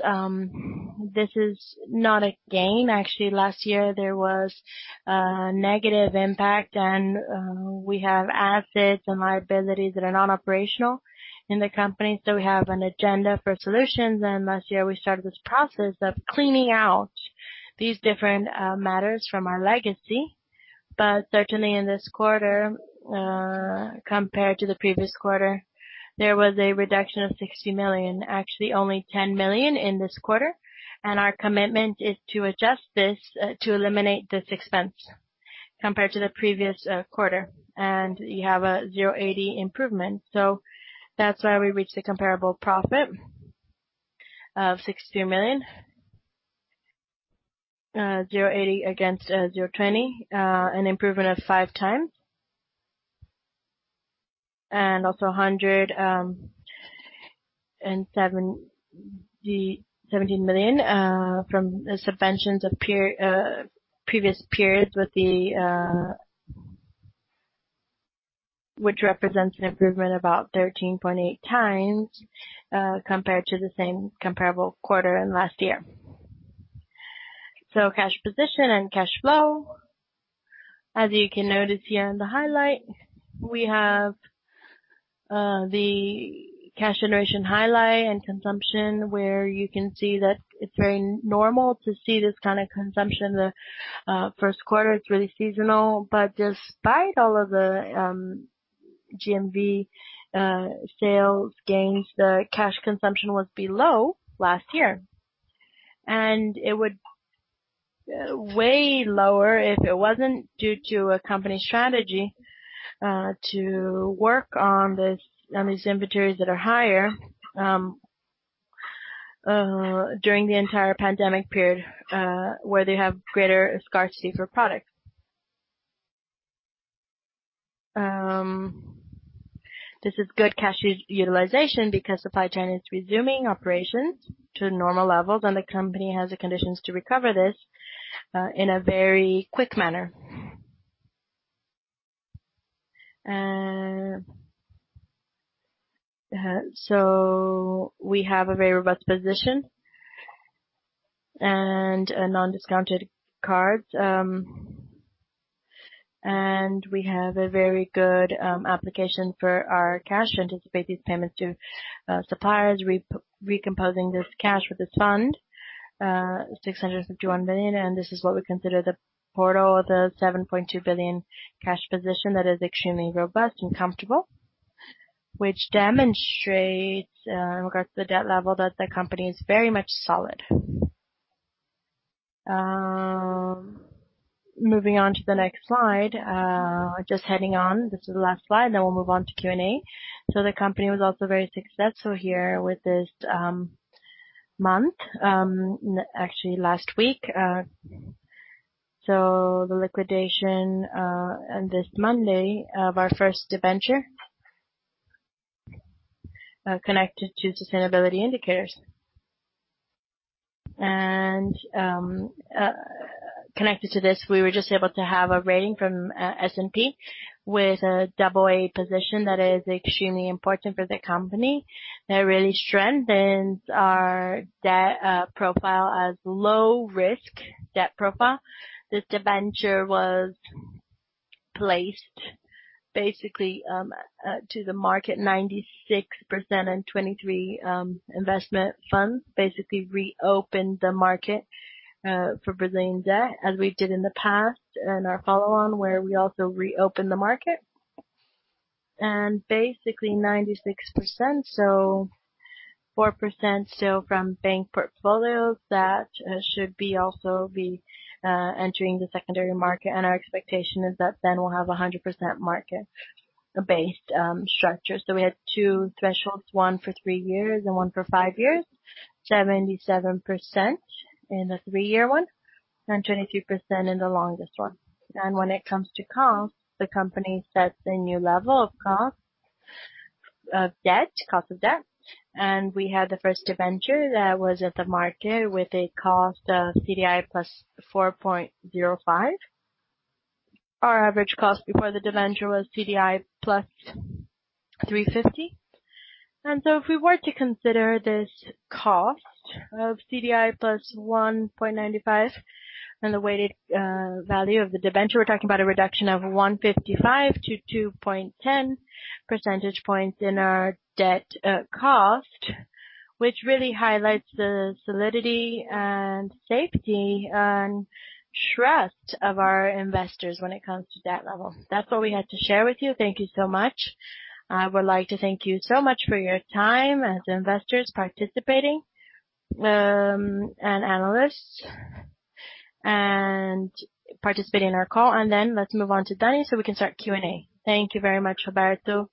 Speaker 3: This is not a gain. Actually, last year, there was a negative impact, and we have assets and liabilities that are non-operational in the company. We have an agenda for solutions, and last year we started this process of cleaning out these different matters from our legacy. Certainly in this quarter compared to the previous quarter, there was a reduction of 60 million. Actually, only 10 million in this quarter. Our commitment is to adjust this to eliminate this expense compared to the previous quarter. You have a 0.80 improvement. That's why we reached a comparable profit of BRL 62 million, 0.80 against 0.20, an improvement of 5x. Also 117 million from the suspensions of previous periods which represents an improvement about 13.8x compared to the same comparable quarter in last year. Cash position and cash flow. As you can notice here in the highlight, we have the cash generation highlight and consumption, where you can see that it's very normal to see this kind of consumption in the first quarter. It's really seasonal. Despite all of the GMV sales gains, the cash consumption was below last year. It would way lower if it wasn't due to a company strategy to work on these inventories that are higher during the entire pandemic period, where they have greater scarcity for products. This is good cash utilization because supply chain is resuming operations to normal levels, and the company has the conditions to recover this in a very quick manner. We have a very robust position and non-discounted cards. We have a very good application for our cash to anticipate these payments to suppliers, recomposing this cash with this fund, 651 million, and this is what we consider the total of the 7.2 billion cash position that is extremely robust and comfortable. Which demonstrates, in regards to the debt level, that the company is very much solid. Moving on to the next slide. This is the last slide, then we will move on to Q&A. The company was also very successful here with this month. Actually, last week. The liquidation, and this Monday, of our first debenture connected to sustainability indicators. Connected to this, we were just able to have a rating from S&P with a double A position that is extremely important for the company. That really strengthens our debt profile as low-risk debt profile. This debenture was placed basically to the market, 96% and 23 investment funds basically reopened the market for Brazilian debt as we did in the past, and our follow-on, where we also reopened the market. Basically 96%, so 4% still from bank portfolios, that should also be entering the secondary market, and our expectation is that then we will have 100% market-based structure. We had two thresholds, one for three years and one for five years. 77% in the three-year one, and 23% in the longest one. When it comes to cost, the company sets a new level of cost of debt. We had the first debenture that was at the market with a cost of CDI plus 4.05. Our average cost before the debenture was CDI +350. If we were to consider this cost of CDI +1.95 and the weighted value of the debenture, we're talking about a reduction of 155 to 2.10 percentage points in our debt cost. Which really highlights the solidity and safety and trust of our investors when it comes to debt level. That's all we had to share with you. Thank you so much.
Speaker 2: I would like to thank you so much for your time as investors participating, and analysts, and participating in our call. Let's move on to Dani so we can start Q&A.
Speaker 1: Thank you very much, Roberto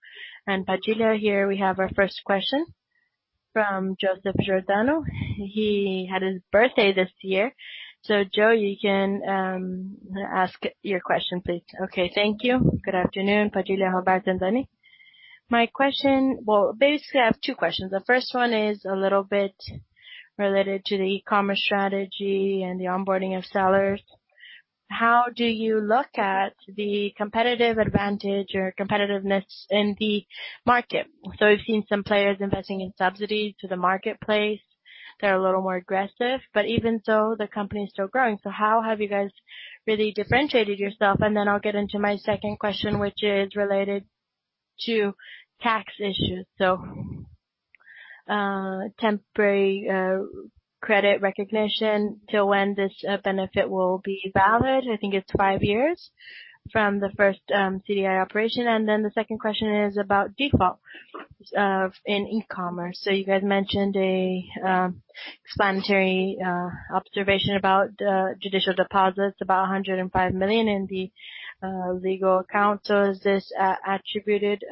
Speaker 1: and Orivaldo Padilha. Here we have our first question from Joseph Giordano. He had his birthday this year. Joe, you can ask your question, please.
Speaker 4: Okay, thank you. Good afternoon, Orivaldo Padilha, Roberto, and Dani. Basically, I have two questions. The first one is a little bit related to the e-commerce strategy and the onboarding of sellers. How do you look at the competitive advantage or competitiveness in the market? We've seen some players investing in subsidies to the marketplace. They're a little more aggressive. Even so, the company is still growing. How have you guys really differentiated yourself? I'll get into my second question, which is related to tax issues. Temporary credit recognition, till when this benefit will be valid? I think it's five years from the first CDI operation. The second question is about default in e-commerce. You guys mentioned a explanatory observation about judicial deposits, about 105 million in the legal account. Is this attributed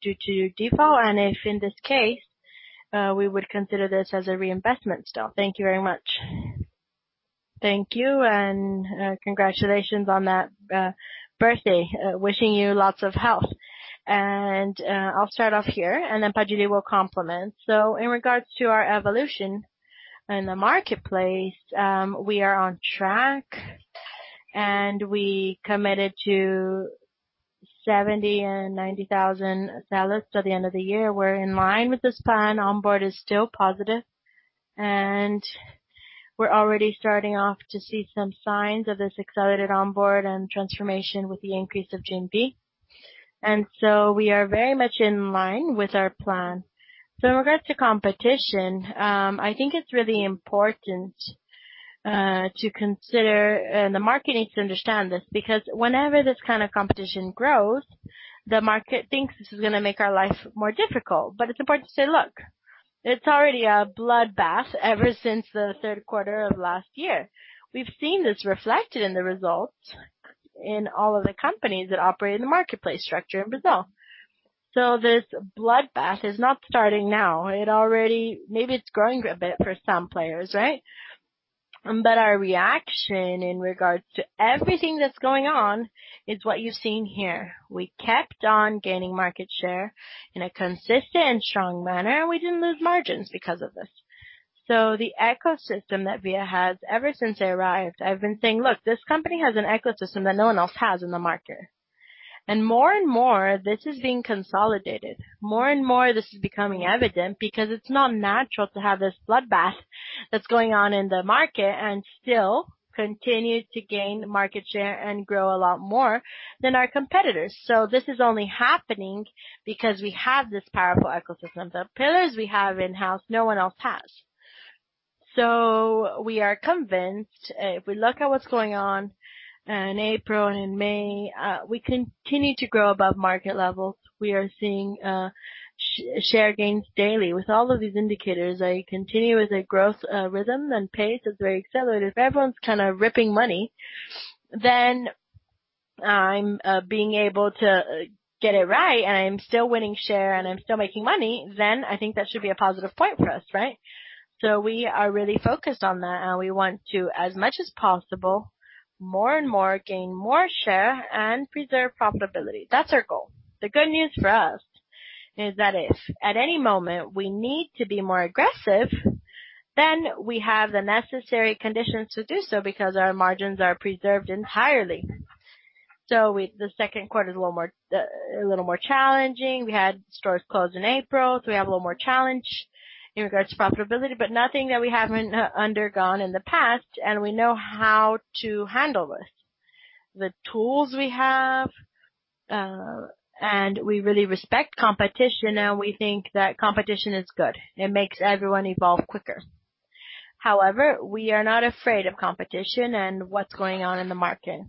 Speaker 4: due to default? If in this case, we would consider this as a reinvestment still. Thank you very much.
Speaker 2: Thank you, and congratulations on that birthday. Wishing you lots of health. I'll start off here, and then Padilha will complement. In regards to our evolution in the marketplace, we are on track, and we committed to 70 and 90,000 sellers by the end of the year. We're in line with this plan. Onboard is still positive. We're already starting off to see some signs of this accelerated onboard and transformation with the increase of GMV. We are very much in line with our plan. In regards to competition, I think it's really important to consider, and the market needs to understand this, because whenever this kind of competition grows, the market thinks this is going to make our life more difficult. It's important to say, look, it's already a bloodbath ever since the third quarter of last year. We've seen this reflected in the results in all of the companies that operate in the marketplace structure in Brazil. This bloodbath is not starting now. Maybe it's growing a bit for some players, right? Our reaction in regards to everything that's going on is what you've seen here. We kept on gaining market share in a consistent and strong manner. We didn't lose margins because of this. The ecosystem that Via has, ever since I arrived, I've been saying: Look, this company has an ecosystem that no one else has in the market. More and more, this is being consolidated. More and more, this is becoming evident because it's not natural to have this bloodbath that's going on in the market and still continue to gain market share and grow a lot more than our competitors. This is only happening because we have this powerful ecosystem. The pillars we have in-house, no one else has. We are convinced if we look at what's going on in April and in May, we continue to grow above market levels. We are seeing share gains daily. With all of these indicators, I continue with a growth rhythm, and pace is very accelerated. Everyone's kind of ripping money, then I'm being able to get it right, and I'm still winning share, and I'm still making money, then I think that should be a positive point for us, right? We are really focused on that, and we want to, as much as possible, more and more, gain more share and preserve profitability. That's our goal. The good news for us is that if at any moment we need to be more aggressive, then we have the necessary conditions to do so because our margins are preserved entirely. The second quarter is a little more challenging. We had stores closed in April, so we have a little more challenge in regards to profitability, but nothing that we haven't undergone in the past, and we know how to handle this. The tools we have, and we really respect competition, and we think that competition is good. It makes everyone evolve quicker. However, we are not afraid of competition and what's going on in the market.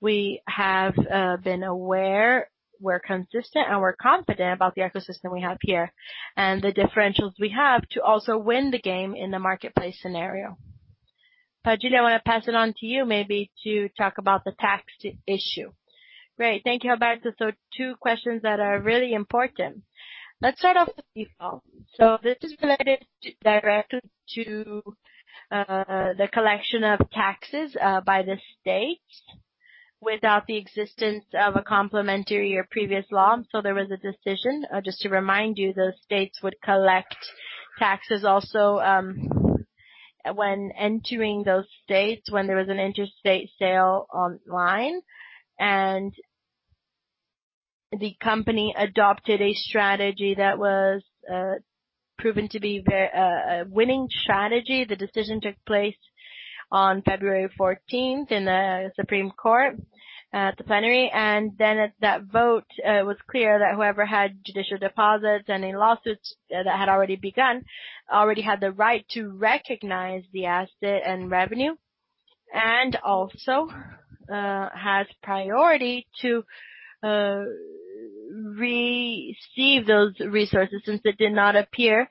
Speaker 2: We have been aware, we're consistent, and we're confident about the ecosystem we have here and the differentials we have to also win the game in the marketplace scenario. Orivaldo Padilha, I want to pass it on to you maybe to talk about the tax issue.
Speaker 3: Great. Thank you, Roberto. Two questions that are really important. Let's start off with default. This is related directly to the collection of taxes by the state without the existence of a complementary or previous law. There was a decision, just to remind you, the states would collect taxes also when entering those states when there was an interstate sale online. The company adopted a strategy that was proven to be a winning strategy. The decision took place on February 14th in the Supreme Court at the plenary. At that vote, it was clear that whoever had judicial deposits and any lawsuits that had already begun already had the right to recognize the asset and revenue, and also has priority to receive those resources since they did not appear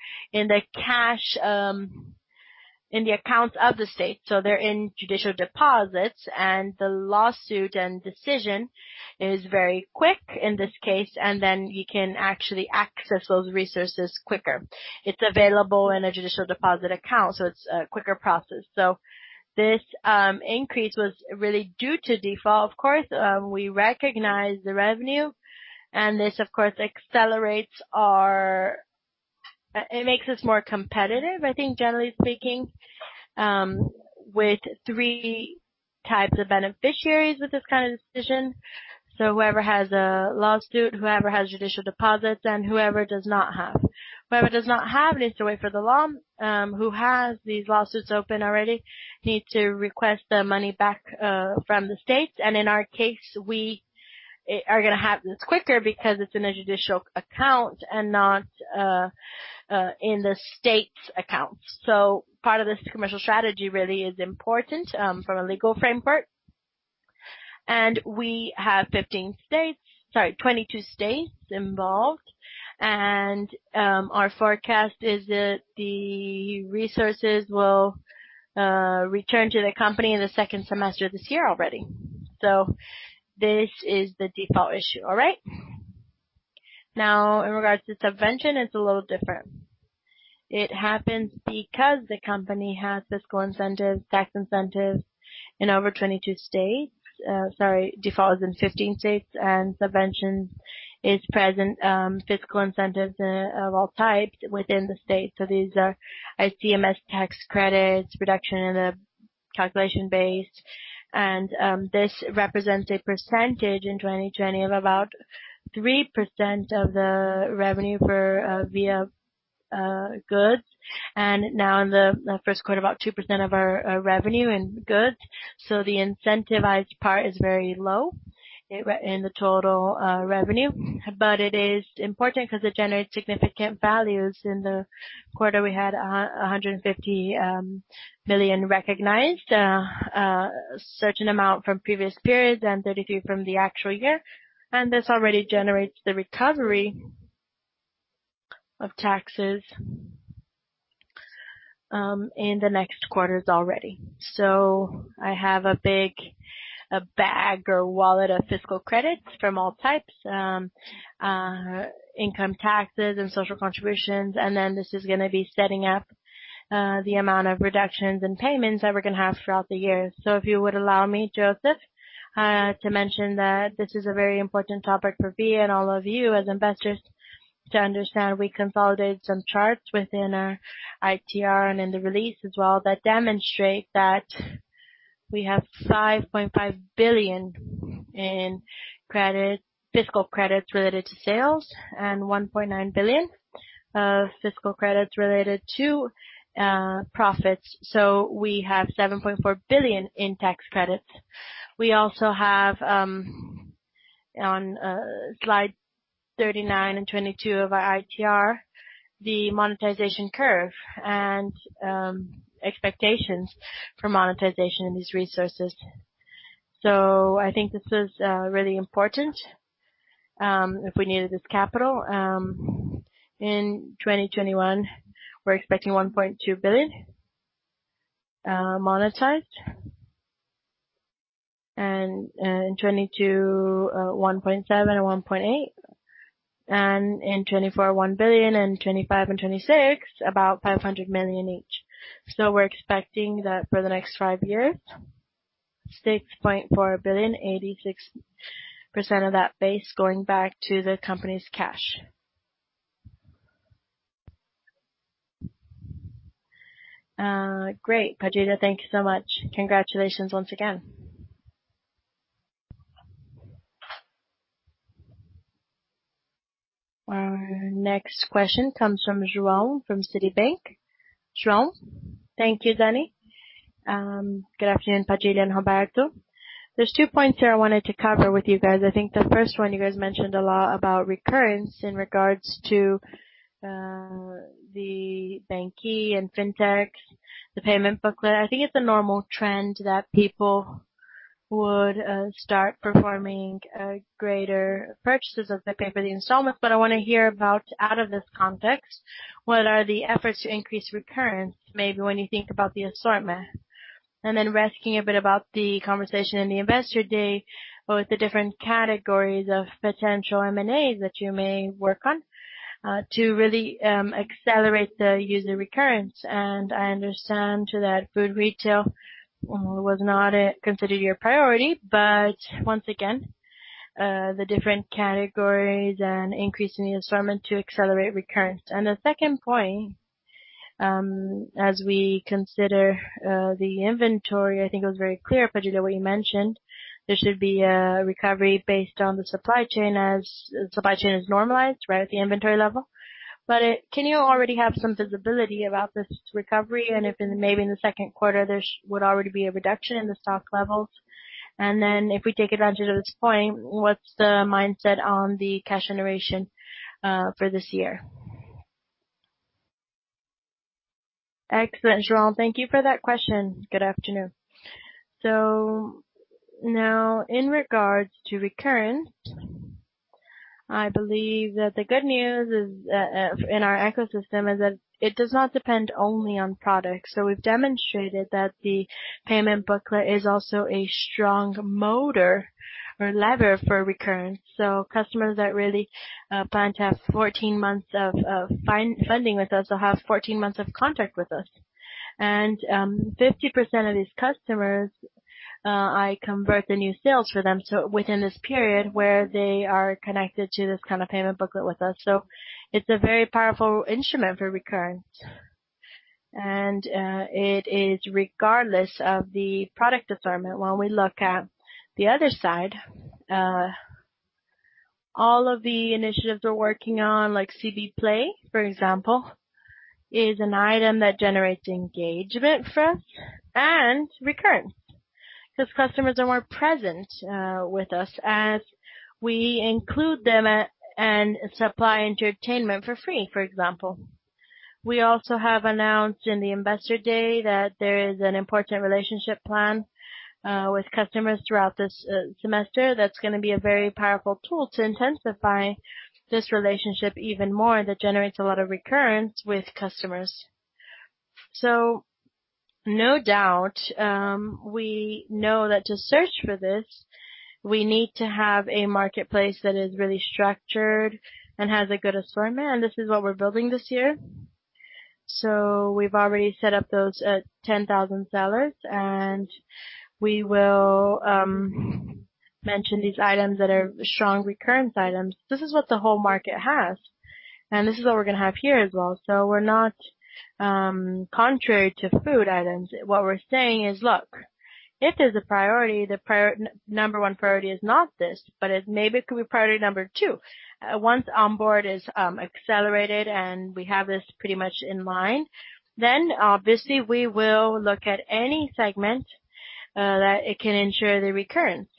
Speaker 3: in the accounts of the state. They're in judicial deposits, the lawsuit and decision is very quick in this case, you can actually access those resources quicker. It's available in a judicial deposit account, it's a quicker process. This increase was really due to default, of course. We recognize the revenue, this, of course, it makes us more competitive, I think generally speaking, with three types of beneficiaries with this kind of decision. Whoever has a lawsuit, whoever has judicial deposits, and whoever does not have. Whoever does not have needs to wait for the law. Who has these lawsuits open already need to request the money back from the states. In our case, we are going to have this quicker because it's in a judicial account and not in the state's accounts. Part of this commercial strategy really is important from a legal framework. We have 15 states, sorry, 22 states involved. Our forecast is that the resources will return to the company in the second semester this year already. This is the default issue. All right? Now, in regards to subvention, it's a little different. It happens because the company has fiscal incentives, tax incentives in over 22 states. Sorry, subventions in 15 states and subventions is present fiscal incentives of all types within the state. These are ICMS tax credits, reduction in a calculation base. This represents a percentage in 2020 of about 3% of the revenue for Via goods. Now in the first quarter, about 2% of our revenue and goods. The incentivized part is very low in the total revenue. It is important because it generates significant values. In the quarter, we had 150 million recognized, a certain amount from previous periods and 33 from the actual year. This already generates the recovery of taxes in the next quarters already. I have a big bag or wallet of fiscal credits from all types, income taxes and social contributions. This is going to be setting up the amount of reductions in payments that we're going to have throughout the year. If you would allow me, Joseph, to mention that this is a very important topic for Via and all of you as investors to understand. We consolidated some charts within our ITR and in the release as well that demonstrate that we have 5.5 billion in fiscal credits related to sales and 1.9 billion of fiscal credits related to profits. We have 7.4 billion in tax credits. We also have on slide 39 and 22 of our ITR, the monetization curve and expectations for monetization of these resources. I think this is really important if we needed this capital. In 2021, we're expecting 1.2 billion monetized. In 2022, BRL 1.7 billion or 1.8 billion. In 2024, 1 billion, in 2025 and 2026, about 500 million each. We're expecting that for the next five years, 6.4 billion, 86% of that base going back to the company's cash.
Speaker 2: Great, Padilha, thank you so much. Congratulations once again.
Speaker 1: Our next question comes from João from Citibank. João.
Speaker 5: Thank you, Dani. Good afternoon, Padilha and Roberto. There's two points here I wanted to cover with you guys. I think the first one, you guys mentioned a lot about recurrence in regards to the banQi and fintech, the payment booklet. I think it's a normal trend that people would start performing greater purchases if they pay for the installments. I want to hear about out of this context, what are the efforts to increase recurrence, maybe when you think about the assortment. Rescuing a bit about the conversation in the investor day with the different categories of potential M&As that you may work on to really accelerate the user recurrence. I understand, too, that food retail was not considered your priority, but once again the different categories and increasing the assortment to accelerate recurrence. The second point, as we consider the inventory, I think it was very clear, Padilha, what you mentioned. There should be a recovery based on the supply chain as supply chain is normalized right at the inventory level. Can you already have some visibility about this recovery? If maybe in the second quarter, there would already be a reduction in the stock levels. If we take advantage of this point, what's the mindset on the cash generation for this year?
Speaker 2: Excellent, João. Thank you for that question. Good afternoon. Now in regards to recurrence, I believe that the good news in our ecosystem is that it does not depend only on products. We've demonstrated that the payment booklet is also a strong motor or lever for recurrence. Customers that really plan to have 14 months of funding with us will have 14 months of contract with us. 50% of these customers, I convert the new sales for them within this period where they are connected to this kind of payment booklet with us. It's a very powerful instrument for recurrence. It is regardless of the product assortment. When we look at the other side, all of the initiatives we're working on, like CB Play, for example, is an item that generates engagement for us and recurrence because customers are more present with us as we include them and supply entertainment for free, for example. We also have announced in the investor day that there is an important relationship plan with customers throughout this semester that's going to be a very powerful tool to intensify this relationship even more, that generates a lot of recurrence with customers. No doubt, we know that to search for this, we need to have a marketplace that is really structured and has a good assortment, and this is what we're building this year. We've already set up those 10,000 sellers, and we will mention these items that are strong recurrence items. This is what the whole market has, this is what we're going to have here as well. We're not contrary to food items. What we're saying is, look, if there's a priority, the number one priority is not this, but maybe it could be priority number two. Once onboard is accelerated and we have this pretty much in line, then obviously we will look at any segment that it can ensure the recurrence.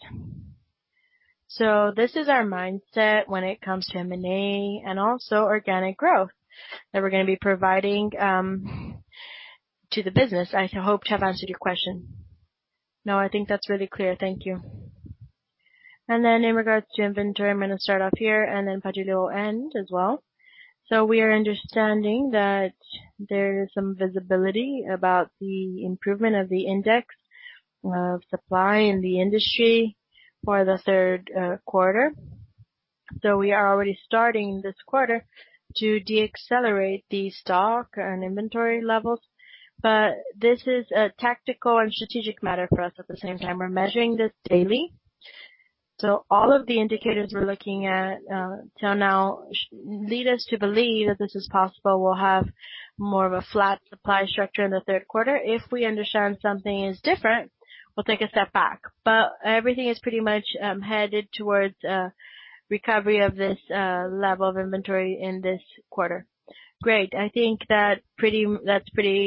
Speaker 2: This is our mindset when it comes to M&A and also organic growth that we're going to be providing to the business. I hope to have answered your question.
Speaker 5: No, I think that's really clear. Thank you.
Speaker 2: In regards to inventory, I'm going to start off here and then Padilha will end as well. We are understanding that there is some visibility about the improvement of the index of supply in the industry for the third quarter. We are already starting this quarter to deaccelerate the stock and inventory levels. This is a tactical and strategic matter for us at the same time. We're measuring this daily. All of the indicators we're looking at till now lead us to believe that this is possible. We'll have more of a flat supply structure in the third quarter. If we understand something is different, we'll take a step back. Everything is pretty much headed towards recovery of this level of inventory in this quarter.
Speaker 3: Great. I think that's pretty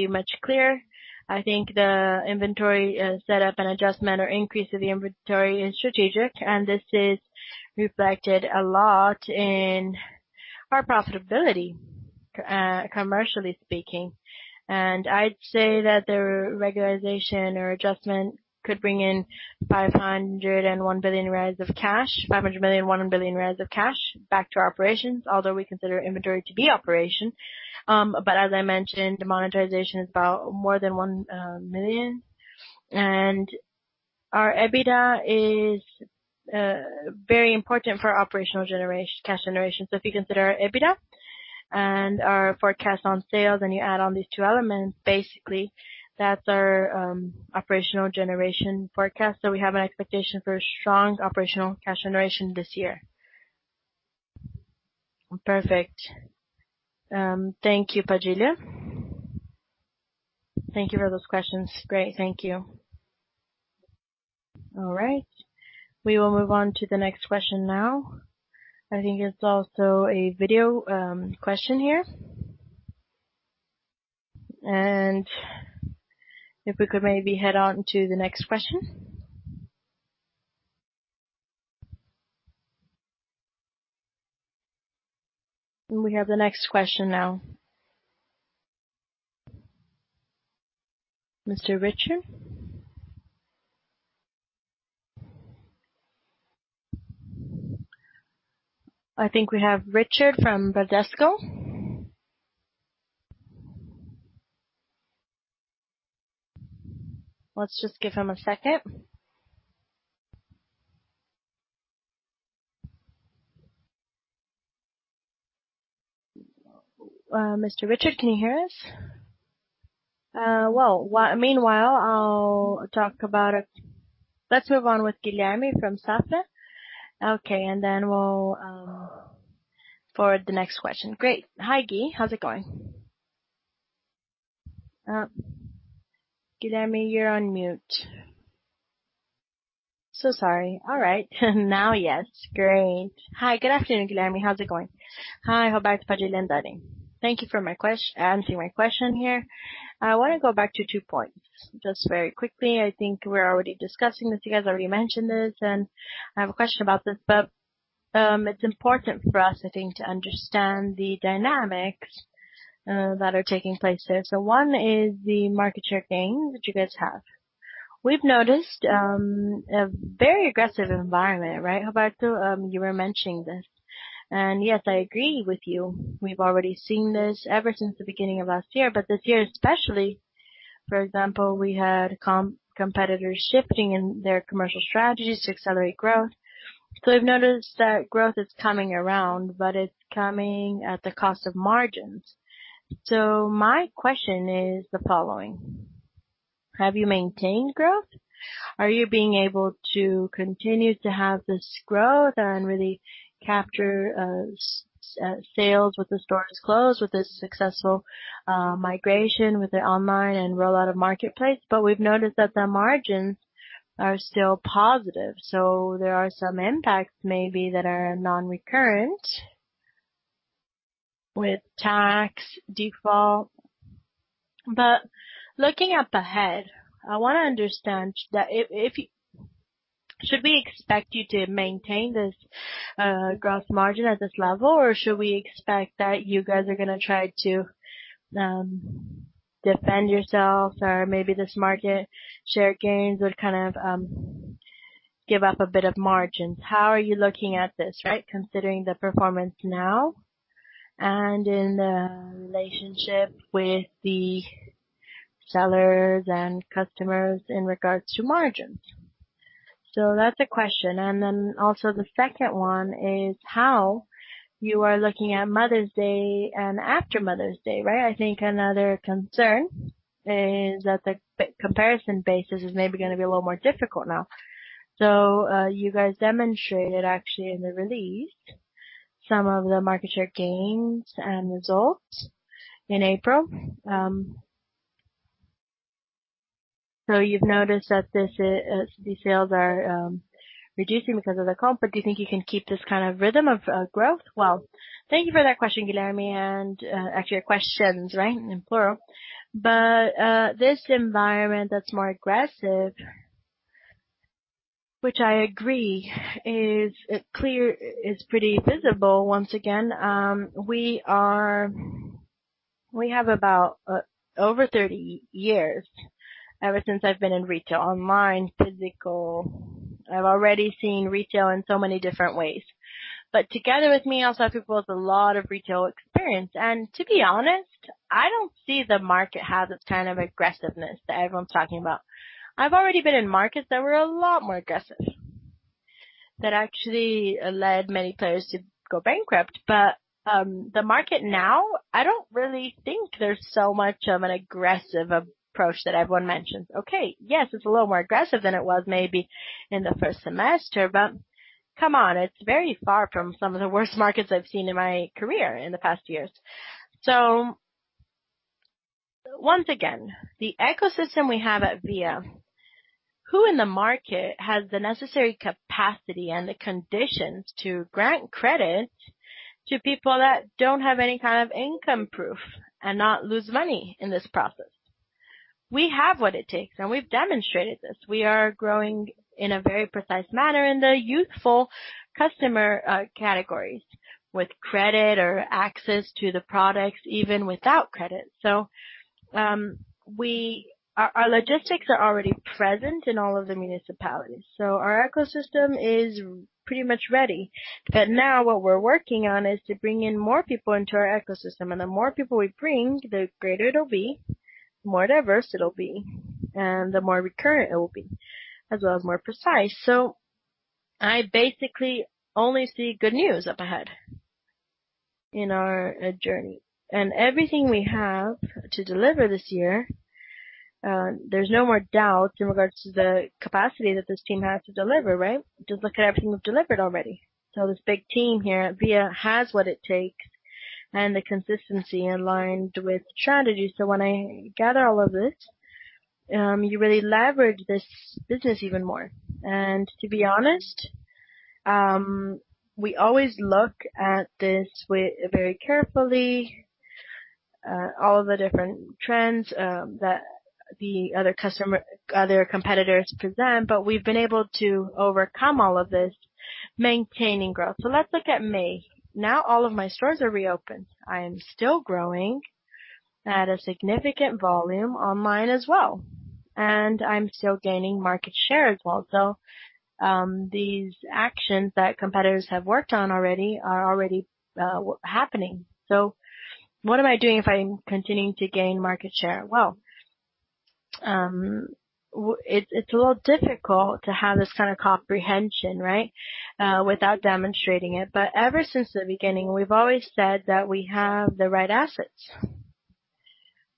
Speaker 3: much clear. I think the inventory set up and adjustment or increase of the inventory is strategic, and this is reflected a lot in our profitability, commercially speaking. I'd say that the regularization or adjustment could bring in 500 million and 1 billion of cash, 500 million, 1 billion of cash back to our operations, although we consider inventory to be operation. As I mentioned, the monetization is about more than 1 million. Our EBITDA is very important for operational cash generation. If you consider EBITDA and our forecast on sales, and you add on these two elements, basically, that's our operational generation forecast. We have an expectation for strong operational cash generation this year.
Speaker 5: Perfect. Thank you, Padilha.
Speaker 2: Thank you for those questions. Great. Thank you.
Speaker 1: All right. We will move on to the next question now. I think it's also a video question here. If we could maybe head on to the next question. We have the next question now. Mr. Richard? I think we have Richard from Bradesco. Let's just give him a second. Mr. Richard, can you hear us? Well, meanwhile, let's move on with Guilherme from Safra. Okay. Then we'll forward the next question. Great. Hi, Gui. How's it going? Guilherme, you're on mute.
Speaker 6: So sorry. All right. Now, yes. Great. Hi, good afternoon,
Speaker 2: Guilherme. How's it going?
Speaker 6: Hi, Roberto, Orivaldo Padilha and Dani. Thank you for answering my question here. I want to go back to two points, just very quickly. I think we're already discussing this. You guys already mentioned this, and I have a question about this, but it's important for us, I think, to understand the dynamics that are taking place there. One is the market share gain that you guys have. We've noticed a very aggressive environment, right, Roberto? You were mentioning this. Yes, I agree with you. We've already seen this ever since the beginning of last year, but this year, especially, for example, we had competitors shifting in their commercial strategies to accelerate growth. We've noticed that growth is coming around, but it's coming at the cost of margins. My question is the following: Have you maintained growth? Are you being able to continue to have this growth and really capture sales with the stores closed, with this successful migration with the online and rollout of marketplace? We've noticed that the margins are still positive. There are some impacts maybe that are non-recurrent with tax default. Looking up ahead, I want to understand that should we expect you to maintain this gross margin at this level, or should we expect that you guys are going to try to defend yourselves or maybe this market share gains would kind of give up a bit of margins. How are you looking at this, right? Considering the performance now and in the relationship with the sellers and customers in regards to margins. That's a question. The second one is how you are looking at Mother's Day and after Mother's Day, right? I think another concern is that the comparison basis is maybe going to be a little more difficult now. You guys demonstrated actually in the release some of the market share gains and results in April. You've noticed that the sales are reducing because of the comp. Do you think you can keep this kind of rhythm of growth?
Speaker 2: Well, thank you for that question, Guilherme, and actually your questions, right, in plural. This environment that's more aggressive, which I agree is pretty visible once again. We have about over 30 years, ever since I've been in retail, online, physical. I've already seen retail in so many different ways. Together with me, I also have people with a lot of retail experience. To be honest, I don't see the market has its kind of aggressiveness that everyone's talking about. I've already been in markets that were a lot more aggressive, that actually led many players to go bankrupt. The market now, I don't really think there's so much of an aggressive approach that everyone mentions. Yes, it's a little more aggressive than it was maybe in the first semester. It's very far from some of the worst markets I've seen in my career in the past years. Once again, the ecosystem we have at Via, who in the market has the necessary capacity and the conditions to grant credit to people that don't have any kind of income proof and not lose money in this process? We have what it takes, and we've demonstrated this. We are growing in a very precise manner in the youthful customer categories with credit or access to the products, even without credit. Our logistics are already present in all of the municipalities. Our ecosystem is pretty much ready. Now what we're working on is to bring in more people into our ecosystem. The more people we bring, the greater it'll be, the more diverse it'll be, and the more recurrent it will be, as well as more precise. I basically only see good news up ahead in our journey. Everything we have to deliver this year, there's no more doubt in regards to the capacity that this team has to deliver, right. Just look at everything we've delivered already. This big team here at Via has what it takes and the consistency aligned with strategy. When I gather all of this, you really leverage this business even more. To be honest, we always look at this very carefully, all of the different trends that the other competitors present. We've been able to overcome all of this, maintaining growth. Let's look at May. Now all of my stores are reopened. I am still growing at a significant volume online as well, and I'm still gaining market share as well. These actions that competitors have worked on already are already happening. What am I doing if I'm continuing to gain market share? Well, it's a little difficult to have this kind of comprehension, right, without demonstrating it. Ever since the beginning, we've always said that we have the right assets.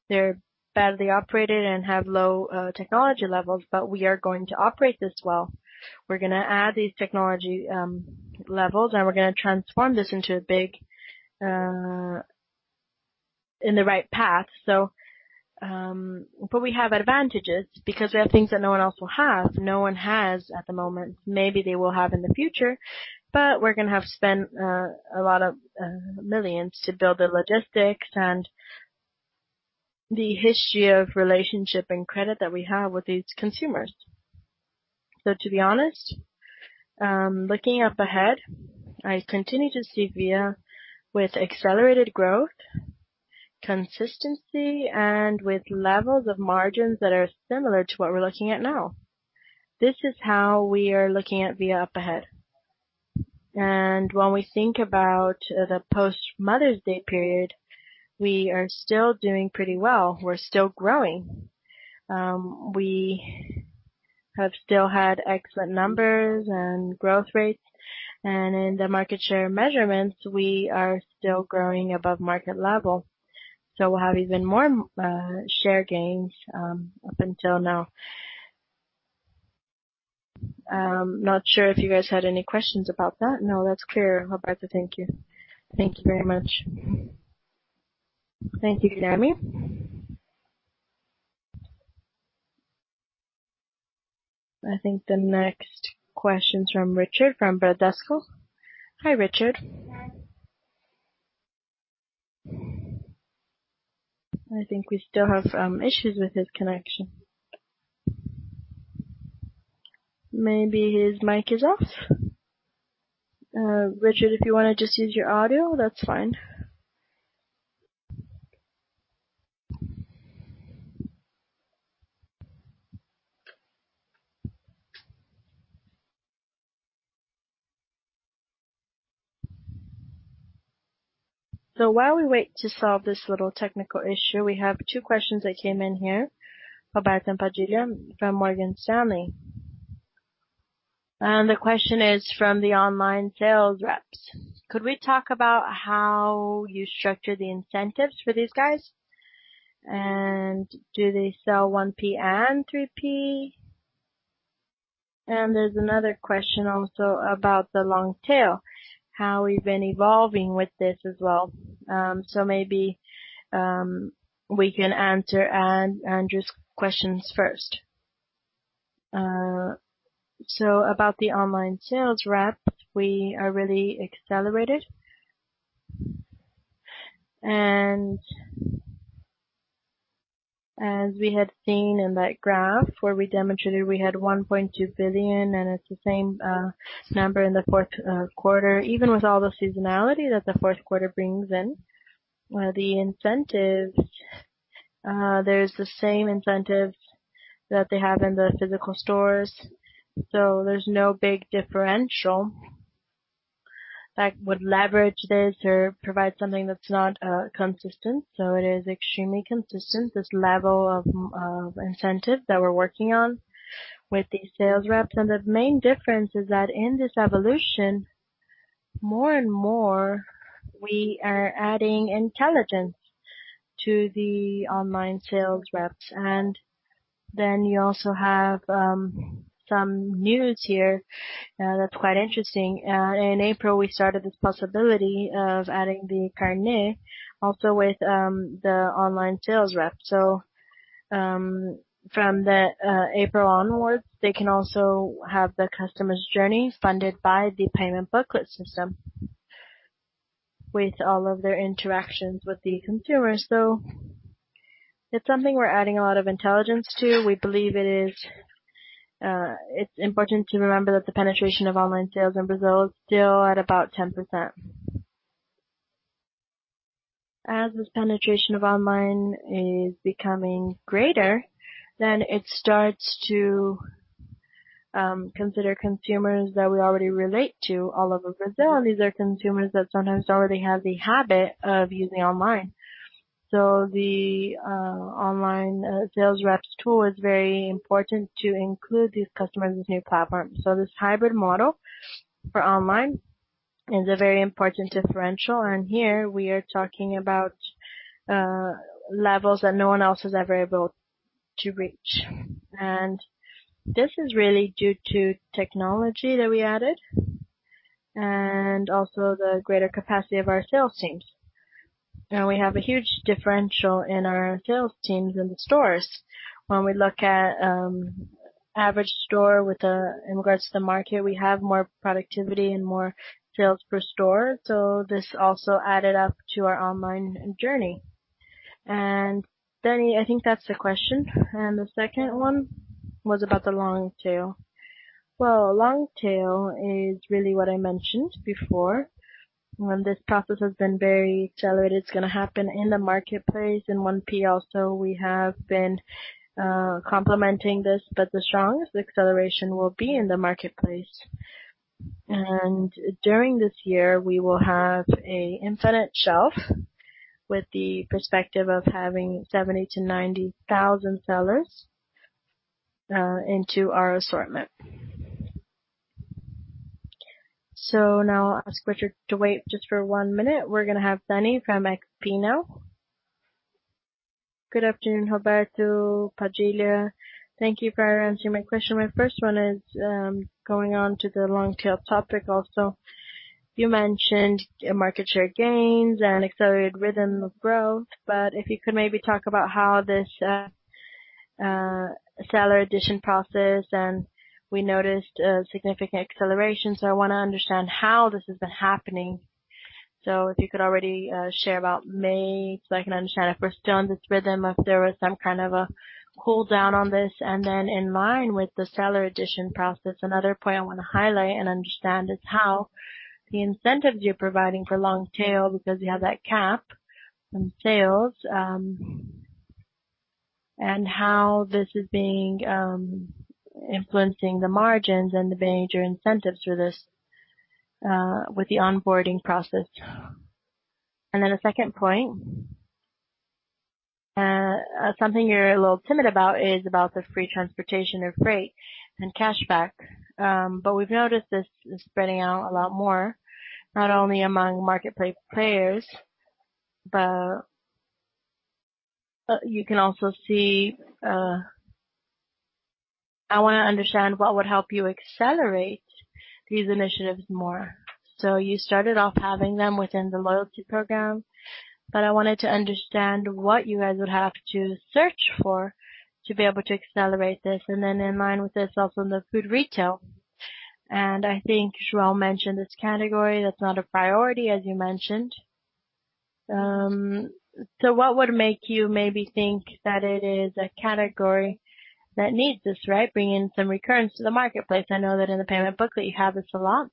Speaker 2: They're badly operated and have low technology levels, but we are going to operate this well. We're going to add these technology levels, and we're going to transform this into a big-- in the right path. We have advantages because we have things that no one else will have, no one has at the moment. Maybe they will have in the future, but we're going to have spent a lot of millions to build the logistics and the history of relationship and credit that we have with these consumers. To be honest, looking up ahead, I continue to see Via with accelerated growth, consistency, and with levels of margins that are similar to what we're looking at now. This is how we are looking at Via up ahead. When we think about the post Mother's Day period, we are still doing pretty well. We're still growing. We have still had excellent numbers and growth rates. In the market share measurements, we are still growing above market level. We'll have even more share gains up until now. I'm not sure if you guys had any questions about that.
Speaker 6: No, that's clear, Roberto. Thank you. Thank you very much.
Speaker 2: Thank you, Guilherme.
Speaker 1: The next question's from Richard, from Bradesco. Hi, Richard. We still have some issues with his connection. Maybe his mic is off. Richard, if you want to just use your audio, that's fine. While we wait to solve this little technical issue, we have two questions that came in here. Roberto and Padilha from Morgan Stanley. The question is from the online sales reps. Could we talk about how you structure the incentives for these guys, and do they sell 1P and 3P? There's another question also about the long tail, how we've been evolving with this as well. Maybe, we can answer Andrew's questions first.
Speaker 2: About the online sales rep, we are really accelerated. As we had seen in that graph where we demonstrated we had 1.2 billion, and it's the same number in the fourth quarter, even with all the seasonality that the fourth quarter brings in. The incentives. There's the same incentives that they have in the physical stores, so there's no big differential that would leverage this or provide something that's not consistent. It is extremely consistent, this level of incentives that we're working on with these sales reps. The main difference is that in this evolution, more and more, we are adding intelligence to the online sales reps. You also have some news here that's quite interesting. In April, we started this possibility of adding the carnê also with the online sales rep. From the April onwards, they can also have the customer's journey funded by the payment booklet system with all of their interactions with the consumers. We believe it's important to remember that the penetration of online sales in Brazil is still at about 10%. As this penetration of online is becoming greater, then it starts to consider consumers that we already relate to all over Brazil. These are consumers that sometimes already have the habit of using online. The online sales reps tool is very important to include these customers' new platform. This hybrid model for online is a very important differential, and here we are talking about levels that no one else has ever been able to reach. This is really due to technology that we added and also the greater capacity of our sales teams. Now we have a huge differential in our sales teams in the stores. When we look at average store in regards to the market, we have more productivity and more sales per store. This also added up to our online journey. Dani, I think that's the question. The second one was about the long tail. Well, long tail is really what I mentioned before. When this process has been very accelerated, it's going to happen in the marketplace in 1P also. We have been complementing this, but the strongest acceleration will be in the marketplace. During this year, we will have an infinite shelf with the perspective of having 70,000-90,000 sellers into our assortment.
Speaker 1: Now I'll ask Richard to wait just for one minute. We're going to have Dani from XP now.
Speaker 7: Good afternoon, Roberto, Padilha. Thank you for answering my question. My first one is going on to the long tail topic also. You mentioned market share gains and accelerated rhythm of growth, but if you could maybe talk about how this seller addition process, and we noticed a significant acceleration. I want to understand how this has been happening. If you could already share about May so I can understand if we're still in this rhythm, if there was some kind of a cool down on this. In line with the seller addition process, another point I want to highlight and understand is how the incentives you're providing for long tail, because you have that cap on sales, and how this is influencing the margins and the major incentives for this with the onboarding process. A second point. Something you're a little timid about is about the free transportation of freight and cashback. We've noticed this is spreading out a lot more, not only among marketplace players, but you can also see I want to understand what would help you accelerate these initiatives more. You started off having them within the loyalty program, but I wanted to understand what you guys would have to search for to be able to accelerate this. In line with this also in the food retail, and I think João mentioned this category, that's not a priority, as you mentioned. What would make you maybe think that it is a category that needs this, right? Bring in some recurrence to the marketplace. I know that in the payment booklet you have this a lot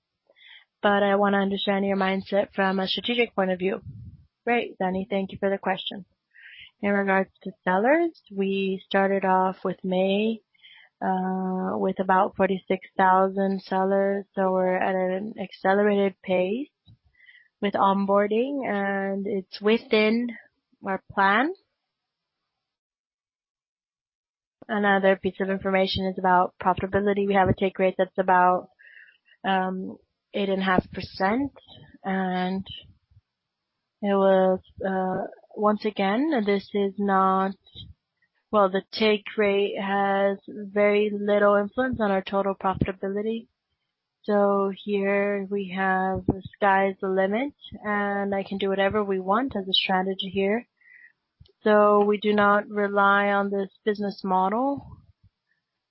Speaker 7: but I want to understand your mindset from a strategic point of view.
Speaker 2: Great, Dani. Thank you for the question. In regards to sellers, we started off with May with about 46,000 sellers, we're at an accelerated pace with onboarding, and it's within our plan. Another piece of information is about profitability. We have a take rate that's about 8.5%, once again, the take rate has very little influence on our total profitability. Here we have the sky's the limit, and I can do whatever we want as a strategy here. We do not rely on this business model,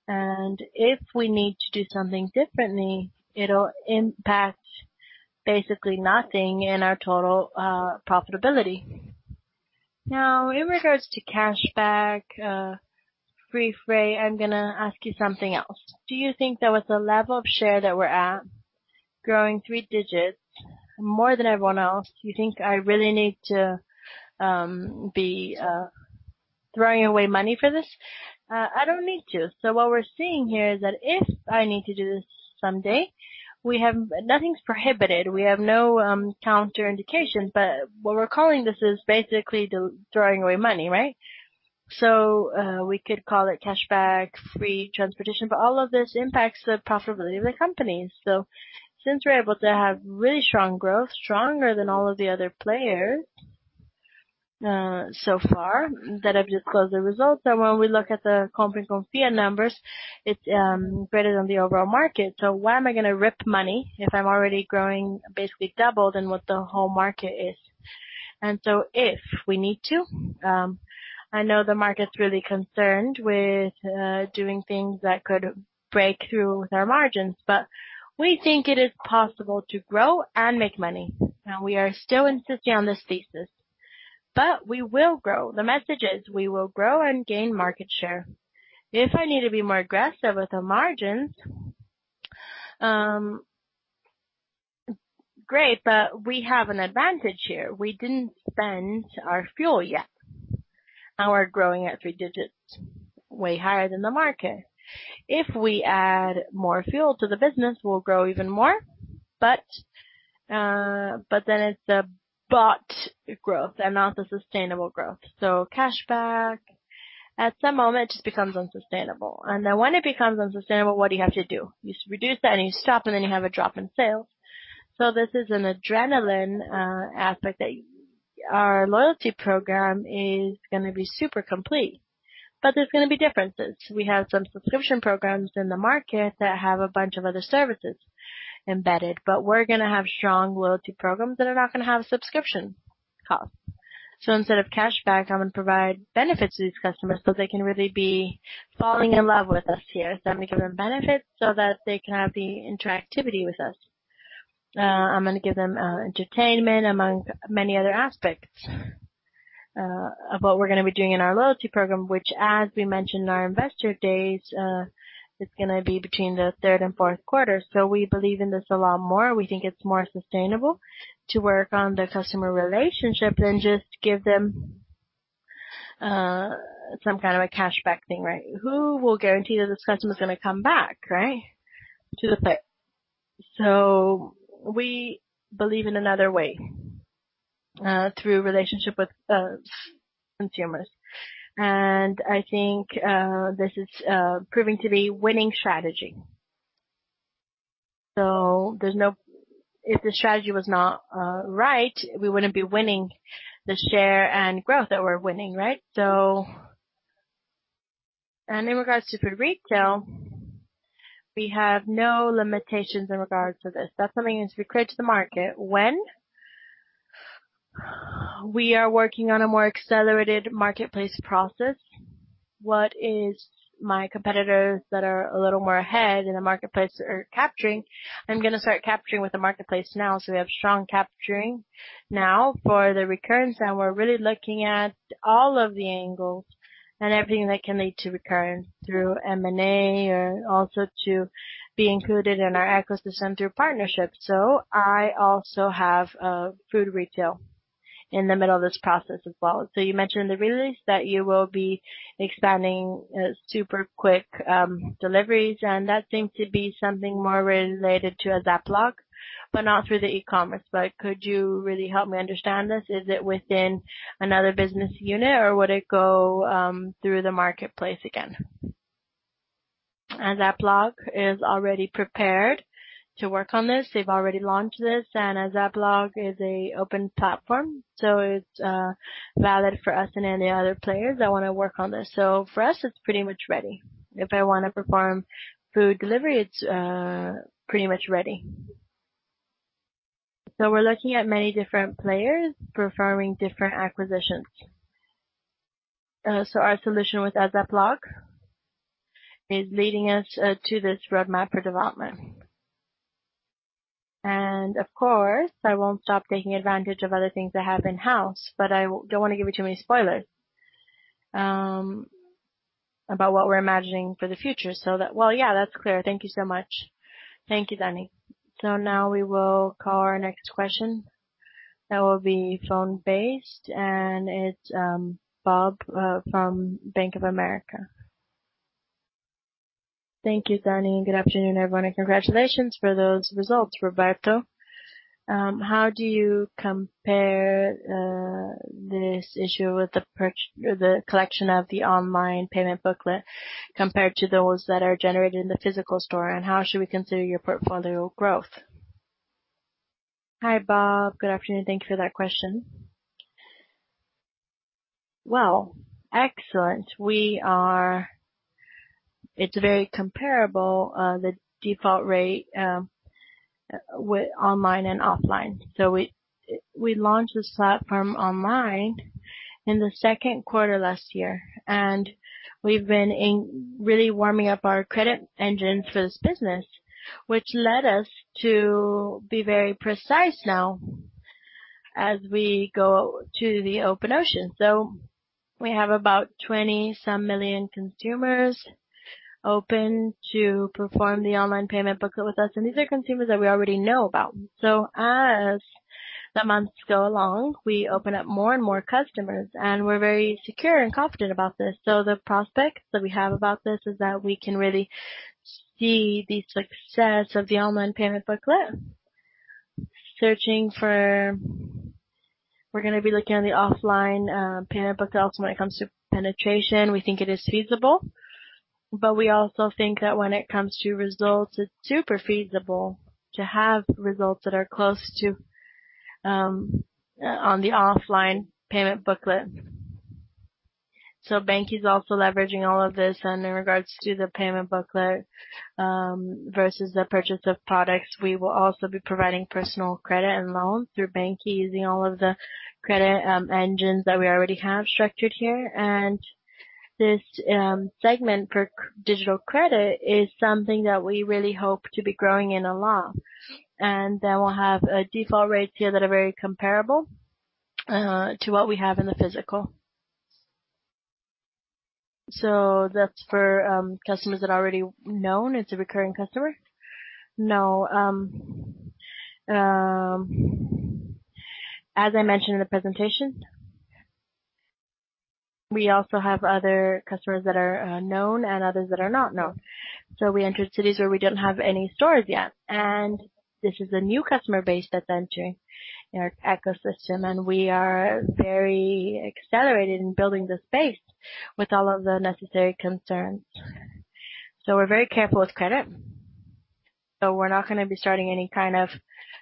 Speaker 2: and if we need to do something differently, it'll impact basically nothing in our total profitability. In regards to cashback, free freight, I'm going to ask you something else. Do you think that with the level of share that we're at, growing three digits more than everyone else, do you think I really need to be throwing away money for this? I don't need to. What we're seeing here is that if I need to do this someday, nothing's prohibited. We have no counter indication, but what we're calling this is basically throwing away money, right? We could call it cashback, free transportation, but all of this impacts the profitability of the company. Since we're able to have really strong growth, stronger than all of the other players so far that have disclosed their results, and when we look at the comparison numbers, it's greater than the overall market. Why am I going to rip money if I'm already growing basically double than what the whole market is? If we need to, I know the market's really concerned with doing things that could break through with our margins, but we think it is possible to grow and make money. We are still insisting on this thesis, but we will grow. The message is we will grow and gain market share. If I need to be more aggressive with the margins, great, but we have an advantage here. We didn't spend our fuel yet, and we're growing at three digits, way higher than the market. If we add more fuel to the business, we'll grow even more. Then it's a bought growth and not the sustainable growth. Cashback, at some moment, it just becomes unsustainable. Then when it becomes unsustainable, what do you have to do? You reduce that, and you stop, and then you have a drop in sales. This is an adrenaline aspect that our loyalty program is going to be super complete, but there's going to be differences. We have some subscription programs in the market that have a bunch of other services embedded, but we're going to have strong loyalty programs that are not going to have subscription costs. Instead of cashback, I'm going to provide benefits to these customers so they can really be falling in love with us here. I'm going to give them benefits so that they can have the interactivity with us. I'm going to give them entertainment, among many other aspects of what we're going to be doing in our loyalty program, which, as we mentioned in our investor days, is going to be between the third and fourth quarter. We believe in this a lot more. We think it's more sustainable to work on the customer relationship than just give them some kind of a cashback thing, right? Who will guarantee that this customer is going to come back, right, to the site? We believe in another way, through relationship with consumers, and I think this is proving to be winning strategy. If the strategy was not right, we wouldn't be winning the share and growth that we're winning, right? In regards to food retail, we have no limitations in regards to this. That's something that we create to the market. When we are working on a more accelerated marketplace process, what is my competitors that are a little more ahead in the marketplace are capturing, I'm going to start capturing with the marketplace now, we have strong capturing now. For the recurrence, we're really looking at all of the angles and everything that can lead to recurrence through M&A or also to be included in our ecosystem through partnerships. I also have food retail in the middle of this process as well.
Speaker 7: You mentioned in the release that you will be expanding super quick deliveries, and that seems to be something more related to ASAP Log, but not through the e-commerce. Could you really help me understand this? Is it within another business unit, or would it go through the marketplace again?
Speaker 2: ASAP Log is already prepared to work on this. They've already launched this, ASAP Log is an open platform, so it's valid for us and any other players that want to work on this. For us, it's pretty much ready. If I want to perform food delivery, it's pretty much ready. We're looking at many different players performing different acquisitions. Our solution ASAP Log is leading us to this roadmap for development. I won't stop taking advantage of other things I have in-house, but I don't want to give you too many spoilers about what we're imagining for the future.
Speaker 7: That's clear. Thank you so much.
Speaker 2: Thank you, Dani.
Speaker 1: Now we will call our next question. That will be phone-based, it's Bob from Bank of America.
Speaker 8: Thank you, Dani, good afternoon, everyone, congratulations for those results, Roberto. How do you compare this issue with the collection of the online payment booklet compared to those that are generated in the physical store, how should we consider your portfolio growth?
Speaker 2: Hi, Bob. Good afternoon. Thank you for that question. Excellent. It's very comparable, the default rate, with online and offline. We launched this platform online in the second quarter last year, and we've been really warming up our credit engine for this business, which led us to be very precise now as we go to the open ocean. We have about 20-some million consumers open to perform the online payment booklet with us, and these are consumers that we already know about. As the months go along, we open up more and more customers, and we're very secure and confident about this. The prospects that we have about this is that we can really see the success of the online payment booklet. We're going to be looking at the offline payment booklet when it comes to penetration. We think it is feasible, but we also think that when it comes to results, it's super feasible to have results that are close to on the offline payment booklet. BanQi is also leveraging all of this in regards to the payment booklet versus the purchase of products. We will also be providing personal credit and loans through banQi using all of the credit engines that we already have structured here. This segment for digital credit is something that we really hope to be growing in a lot. We'll have default rates here that are very comparable to what we have in the physical. That's for customers that are already known as a recurring customer. No. As I mentioned in the presentation, we also have other customers that are known and others that are not known. We entered cities where we didn't have any stores yet, and this is a new customer base that's entering our ecosystem, and we are very accelerated in building this base with all of the necessary concerns. We're very careful with credit. We're not going to be starting any kind of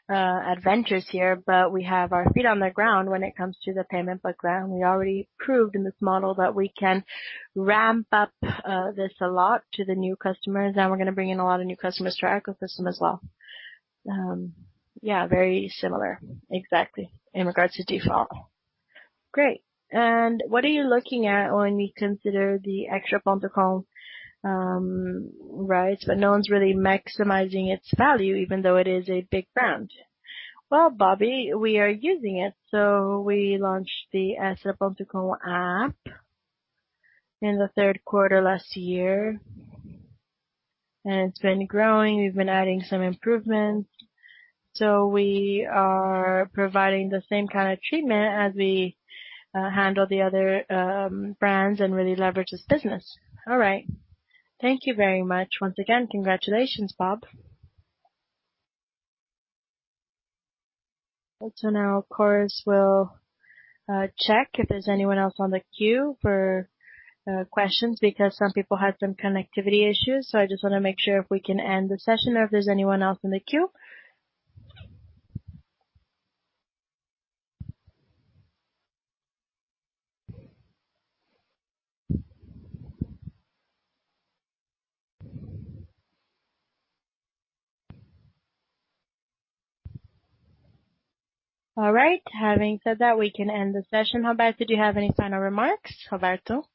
Speaker 2: adventures here, but we have our feet on the ground when it comes to the payment booklet, and we already proved in this model that we can ramp up this a lot to the new customers, and we're going to bring in a lot of new customers to our ecosystem as well. Yeah, very similar, exactly, in regards to default.
Speaker 8: Great. What are you looking at when we consider the extra.com rights, but no one's really maximizing its value, even though it is a big brand.
Speaker 2: Well, Bobby, we are using it. We launched the extra.com app in the third quarter last year, and it's been growing. We've been adding some improvements. We are providing the same kind of treatment as we handle the other brands and really leverage this business.
Speaker 8: All right. Thank you very much. Once again, congratulations, Bob.
Speaker 1: Now, of course, we'll check if there's anyone else on the queue for questions because some people had some connectivity issues. I just want to make sure if we can end the session or if there's anyone else in the queue. All right. Having said that, we can end the session. Roberto, did you have any final remarks? Roberto?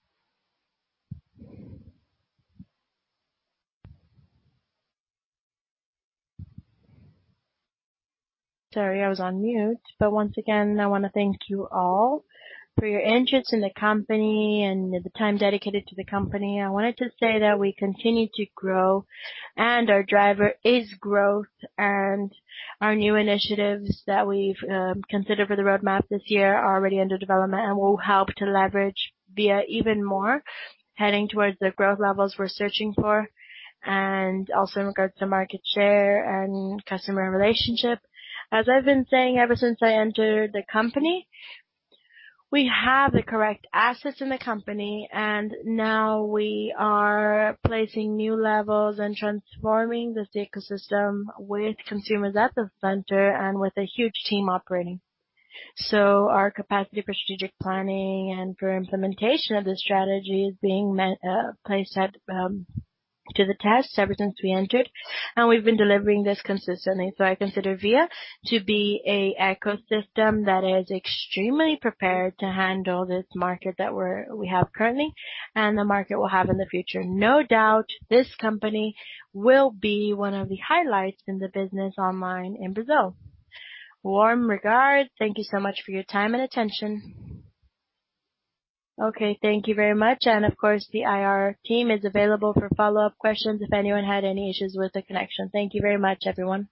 Speaker 2: Sorry, I was on mute. Once again, I want to thank you all for your interest in the company and the time dedicated to the company. I wanted to say that we continue to grow and our driver is growth, and our new initiatives that we've considered for the roadmap this year are already under development and will help to leverage Via even more, heading towards the growth levels we're searching for, and also in regards to market share and customer relationship. As I've been saying ever since I entered the company, we have the correct assets in the company, and now we are placing new levels and transforming this ecosystem with consumers at the center and with a huge team operating. Our capacity for strategic planning and for implementation of the strategy is being placed to the test ever since we entered, and we've been delivering this consistently. I consider Via to be an ecosystem that is extremely prepared to handle this market that we have currently and the market will have in the future. No doubt, this company will be one of the highlights in the business online in Brazil. Warm regards. Thank you so much for your time and attention.
Speaker 1: Okay, thank you very much. Of course, the IR team is available for follow-up questions if anyone had any issues with the connection. Thank you very much, everyone.